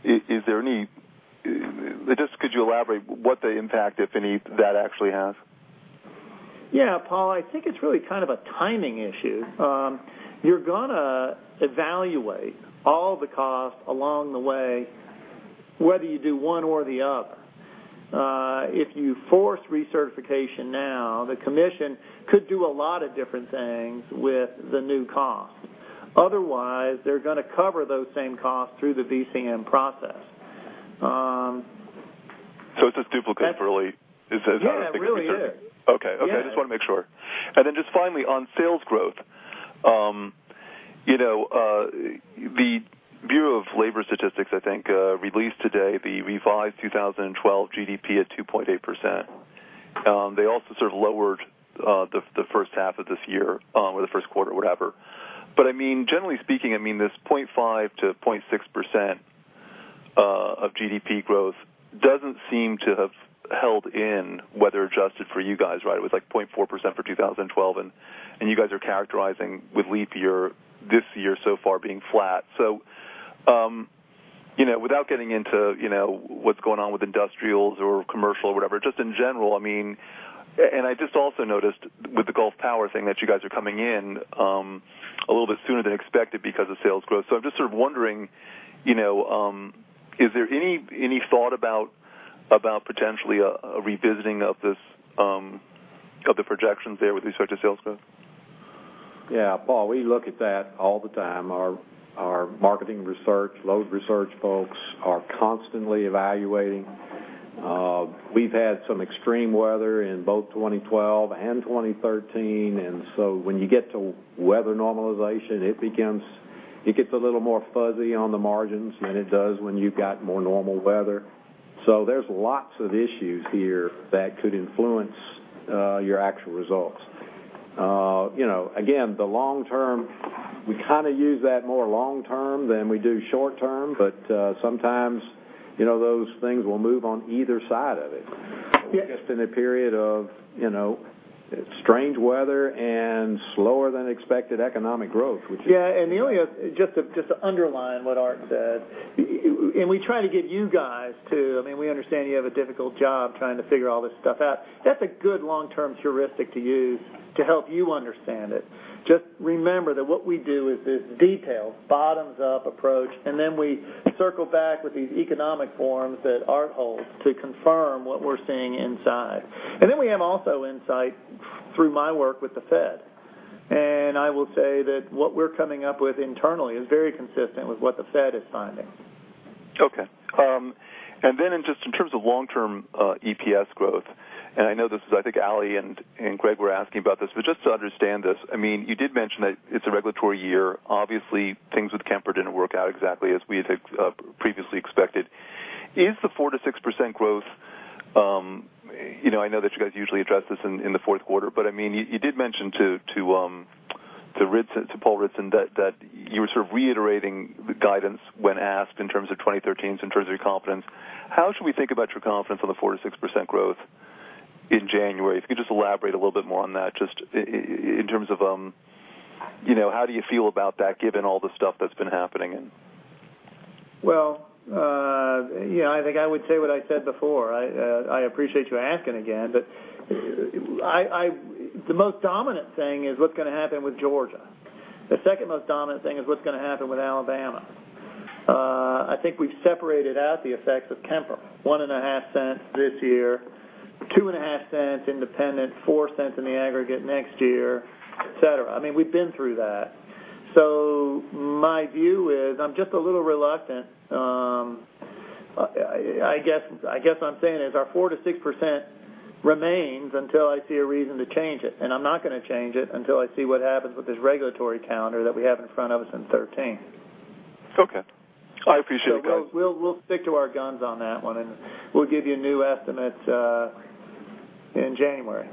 C: is there any—could you elaborate what the impact, if any, that actually has? Yeah, Paul, I think it's really kind of a timing issue. You're going to evaluate all the costs along the way, whether you do one or the other. If you force recertification now, the commission could do a lot of different things with the new cost. Otherwise, they're going to cover those same costs through the VCM process. So it's a duplicate for really? Yeah, it really is. Okay. Okay. I just want to make sure. And then just finally, on sales growth, the Bureau of Labor Statistics, I think, released today the revised 2012 GDP at 2.8%. They also sort of lowered the first half of this year or the first quarter, whatever. But I mean, generally speaking, I mean, this 0.5%-0.6% of GDP growth doesn't seem to have held in, weather-adjusted for you guys, right? It was like 0.4% for 2012, and you guys are characterizing with leap year this year so far being flat. So without getting into what's going on with industrials or commercial or whatever, just in general, I mean, and I just also noticed with the Gulf Power thing that you guys are coming in a little bit sooner than expected because of sales growth. So I'm just sort of wondering, is there any thought about potentially a revisiting of the projections there with respect to sales growth? Yeah. Paul, we look at that all the time. Our marketing research, load research folks are constantly evaluating. We've had some extreme weather in both 2012 and 2013. And so when you get to weather normalization, it gets a little more fuzzy on the margins than it does when you've got more normal weather. So there's lots of issues here that could influence your actual results. Again, the long-term, we kind of use that more long-term than we do short-term, but sometimes those things will move on either side of it. Just in a period of strange weather and slower than expected economic growth, which is. Yeah. And just to underline what Art said, and we try to give you guys too—I mean, we understand you have a difficult job trying to figure all this stuff out. That's a good long-term heuristic to use to help you understand it. Just remember that what we do is this detailed bottoms-up approach, and then we circle back with these economic forms that Art holds to confirm what we're seeing inside. And then we have also insight through my work with the Fed. And I will say that what we're coming up with internally is very consistent with what the Fed is finding. Okay. And then just in terms of long-term EPS growth, and I know this is—I think Ali and Greg were asking about this, but just to understand this, I mean, you did mention that it's a regulatory year.
D: Obviously, things with Kemper didn't work out exactly as we had previously expected. Is the 4%-6% growth, I know that you guys usually address this in the fourth quarter, but I mean, you did mention to Paul Ridzon that you were sort of reiterating the guidance when asked in terms of 2013's in terms of your confidence. How should we think about your confidence on the 4%-6% growth in January? If you could just elaborate a little bit more on that, just in terms of how do you feel about that given all the stuff that's been happening? Well, I think I would say what I said before. I appreciate you asking again, but the most dominant thing is what's going to happen with Georgia. The second most dominant thing is what's going to happen with Alabama. I think we've separated out the effects of Kemper. $0.015 this year, $0.025 independent, $0.04 in the aggregate next year, etc. I mean, we've been through that. So my view is I'm just a little reluctant. I guess what I'm saying is our 4%-6% remains until I see a reason to change it. I'm not going to change it until I see what happens with this regulatory calendar that we have in front of us in 2013. Okay. I appreciate that. So we'll stick to our guns on that one, and we'll give you new estimates in January.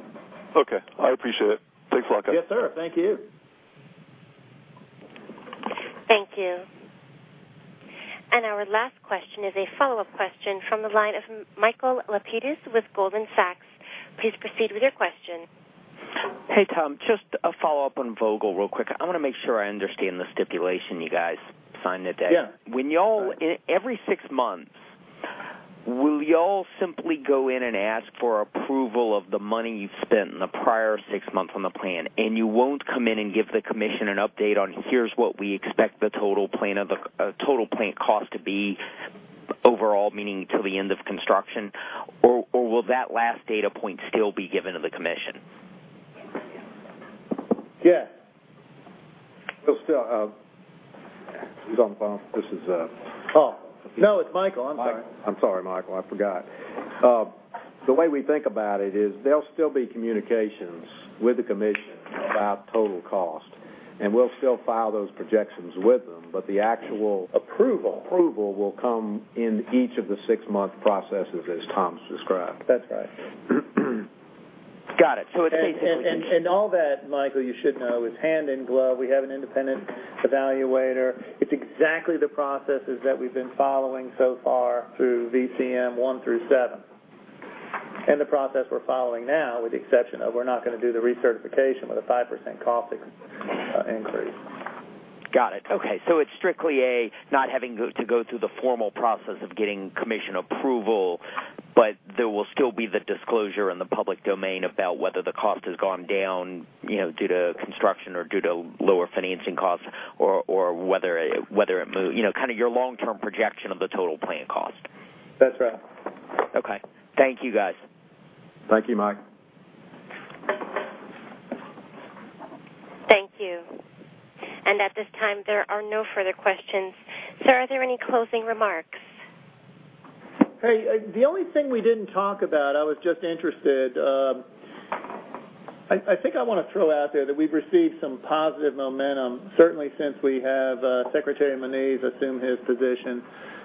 Q: Okay. I appreciate it. Thanks a lot, guys.
C: Yes, sir. Thank you.
A: Thank you. Our last question is a follow-up question from the line of Michael Lapides with Goldman Sachs. Please proceed with your question.
F: Hey, Tom, just a follow-up on Vogtle real quick. I want to make sure I understand the stipulation you guys signed today. When y'all, every six months, will y'all simply go in and ask for approval of the money you've spent in the prior six months on the plan, and you won't come in and give the commission an update on, "Here's what we expect the total plan cost to be overall," meaning till the end of construction? Or will that last data point still be given to the commission?
C: Yeah. He's on the phone. This is. Oh.
D: No, it's Michael. I'm sorry.
C: I'm sorry, Michael. I forgot. The way we think about it is there'll still be communications with the commission about total cost, and we'll still file those projections with them, but the actual approval will come in each of the six-month processes as Tom's described. That's right.
D: Got it. So it's basically just, and all that, Michael, you should know, is hand in glove. We have an independent evaluator. It's exactly the processes that we've been following so far through VCM one through seven. And the process we're following now, with the exception of we're not going to do the recertification with a 5% cost increase. Got it. Okay. So it's strictly a not having to go through the formal process of getting commission approval, but there will still be the disclosure in the public domain about whether the cost has gone down due to construction or due to lower financing costs or whether it moved, kind of your long-term projection of the total plan cost.
R: That's right. Okay.
C: Thank you, guys. Thank you, Mike.
A: Thank you. And at this time, there are no further questions. Sir, are there any closing remarks?
C: Hey, the only thing we didn't talk about. I was just interested. I think I want to throw out there that we've received some positive momentum, certainly since we have assume his position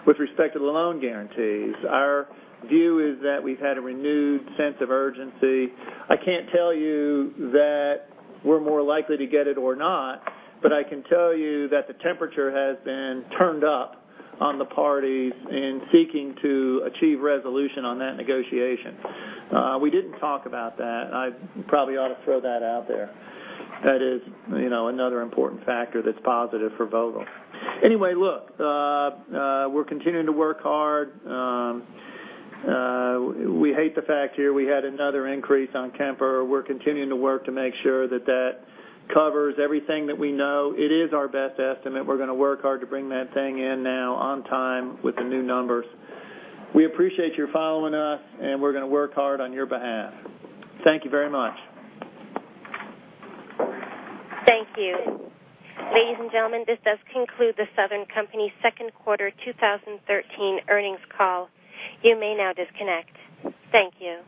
C: with respect to the loan guarantees. Our view is that we've had a renewed sense of urgency. I can't tell you that we're more likely to get it or not, but I can tell you that the temperature has been turned up on the parties in seeking to achieve resolution on that negotiation. We didn't talk about that. I probably ought to throw that out there. That is another important factor that's positive for Vogtle. Anyway, look, we're continuing to work hard. We hate the fact here we had another increase on Kemper. We're continuing to work to make sure that that covers everything that we know. It is our best estimate. We're going to work hard to bring that thing in now on time with the new numbers. We appreciate your following us, and we're going to work hard on your behalf. Thank you very much. Thank you. Ladies and gentlemen, this does conclude the Southern Company's second quarter 2013 earnings call. You may now disconnect. Thank you.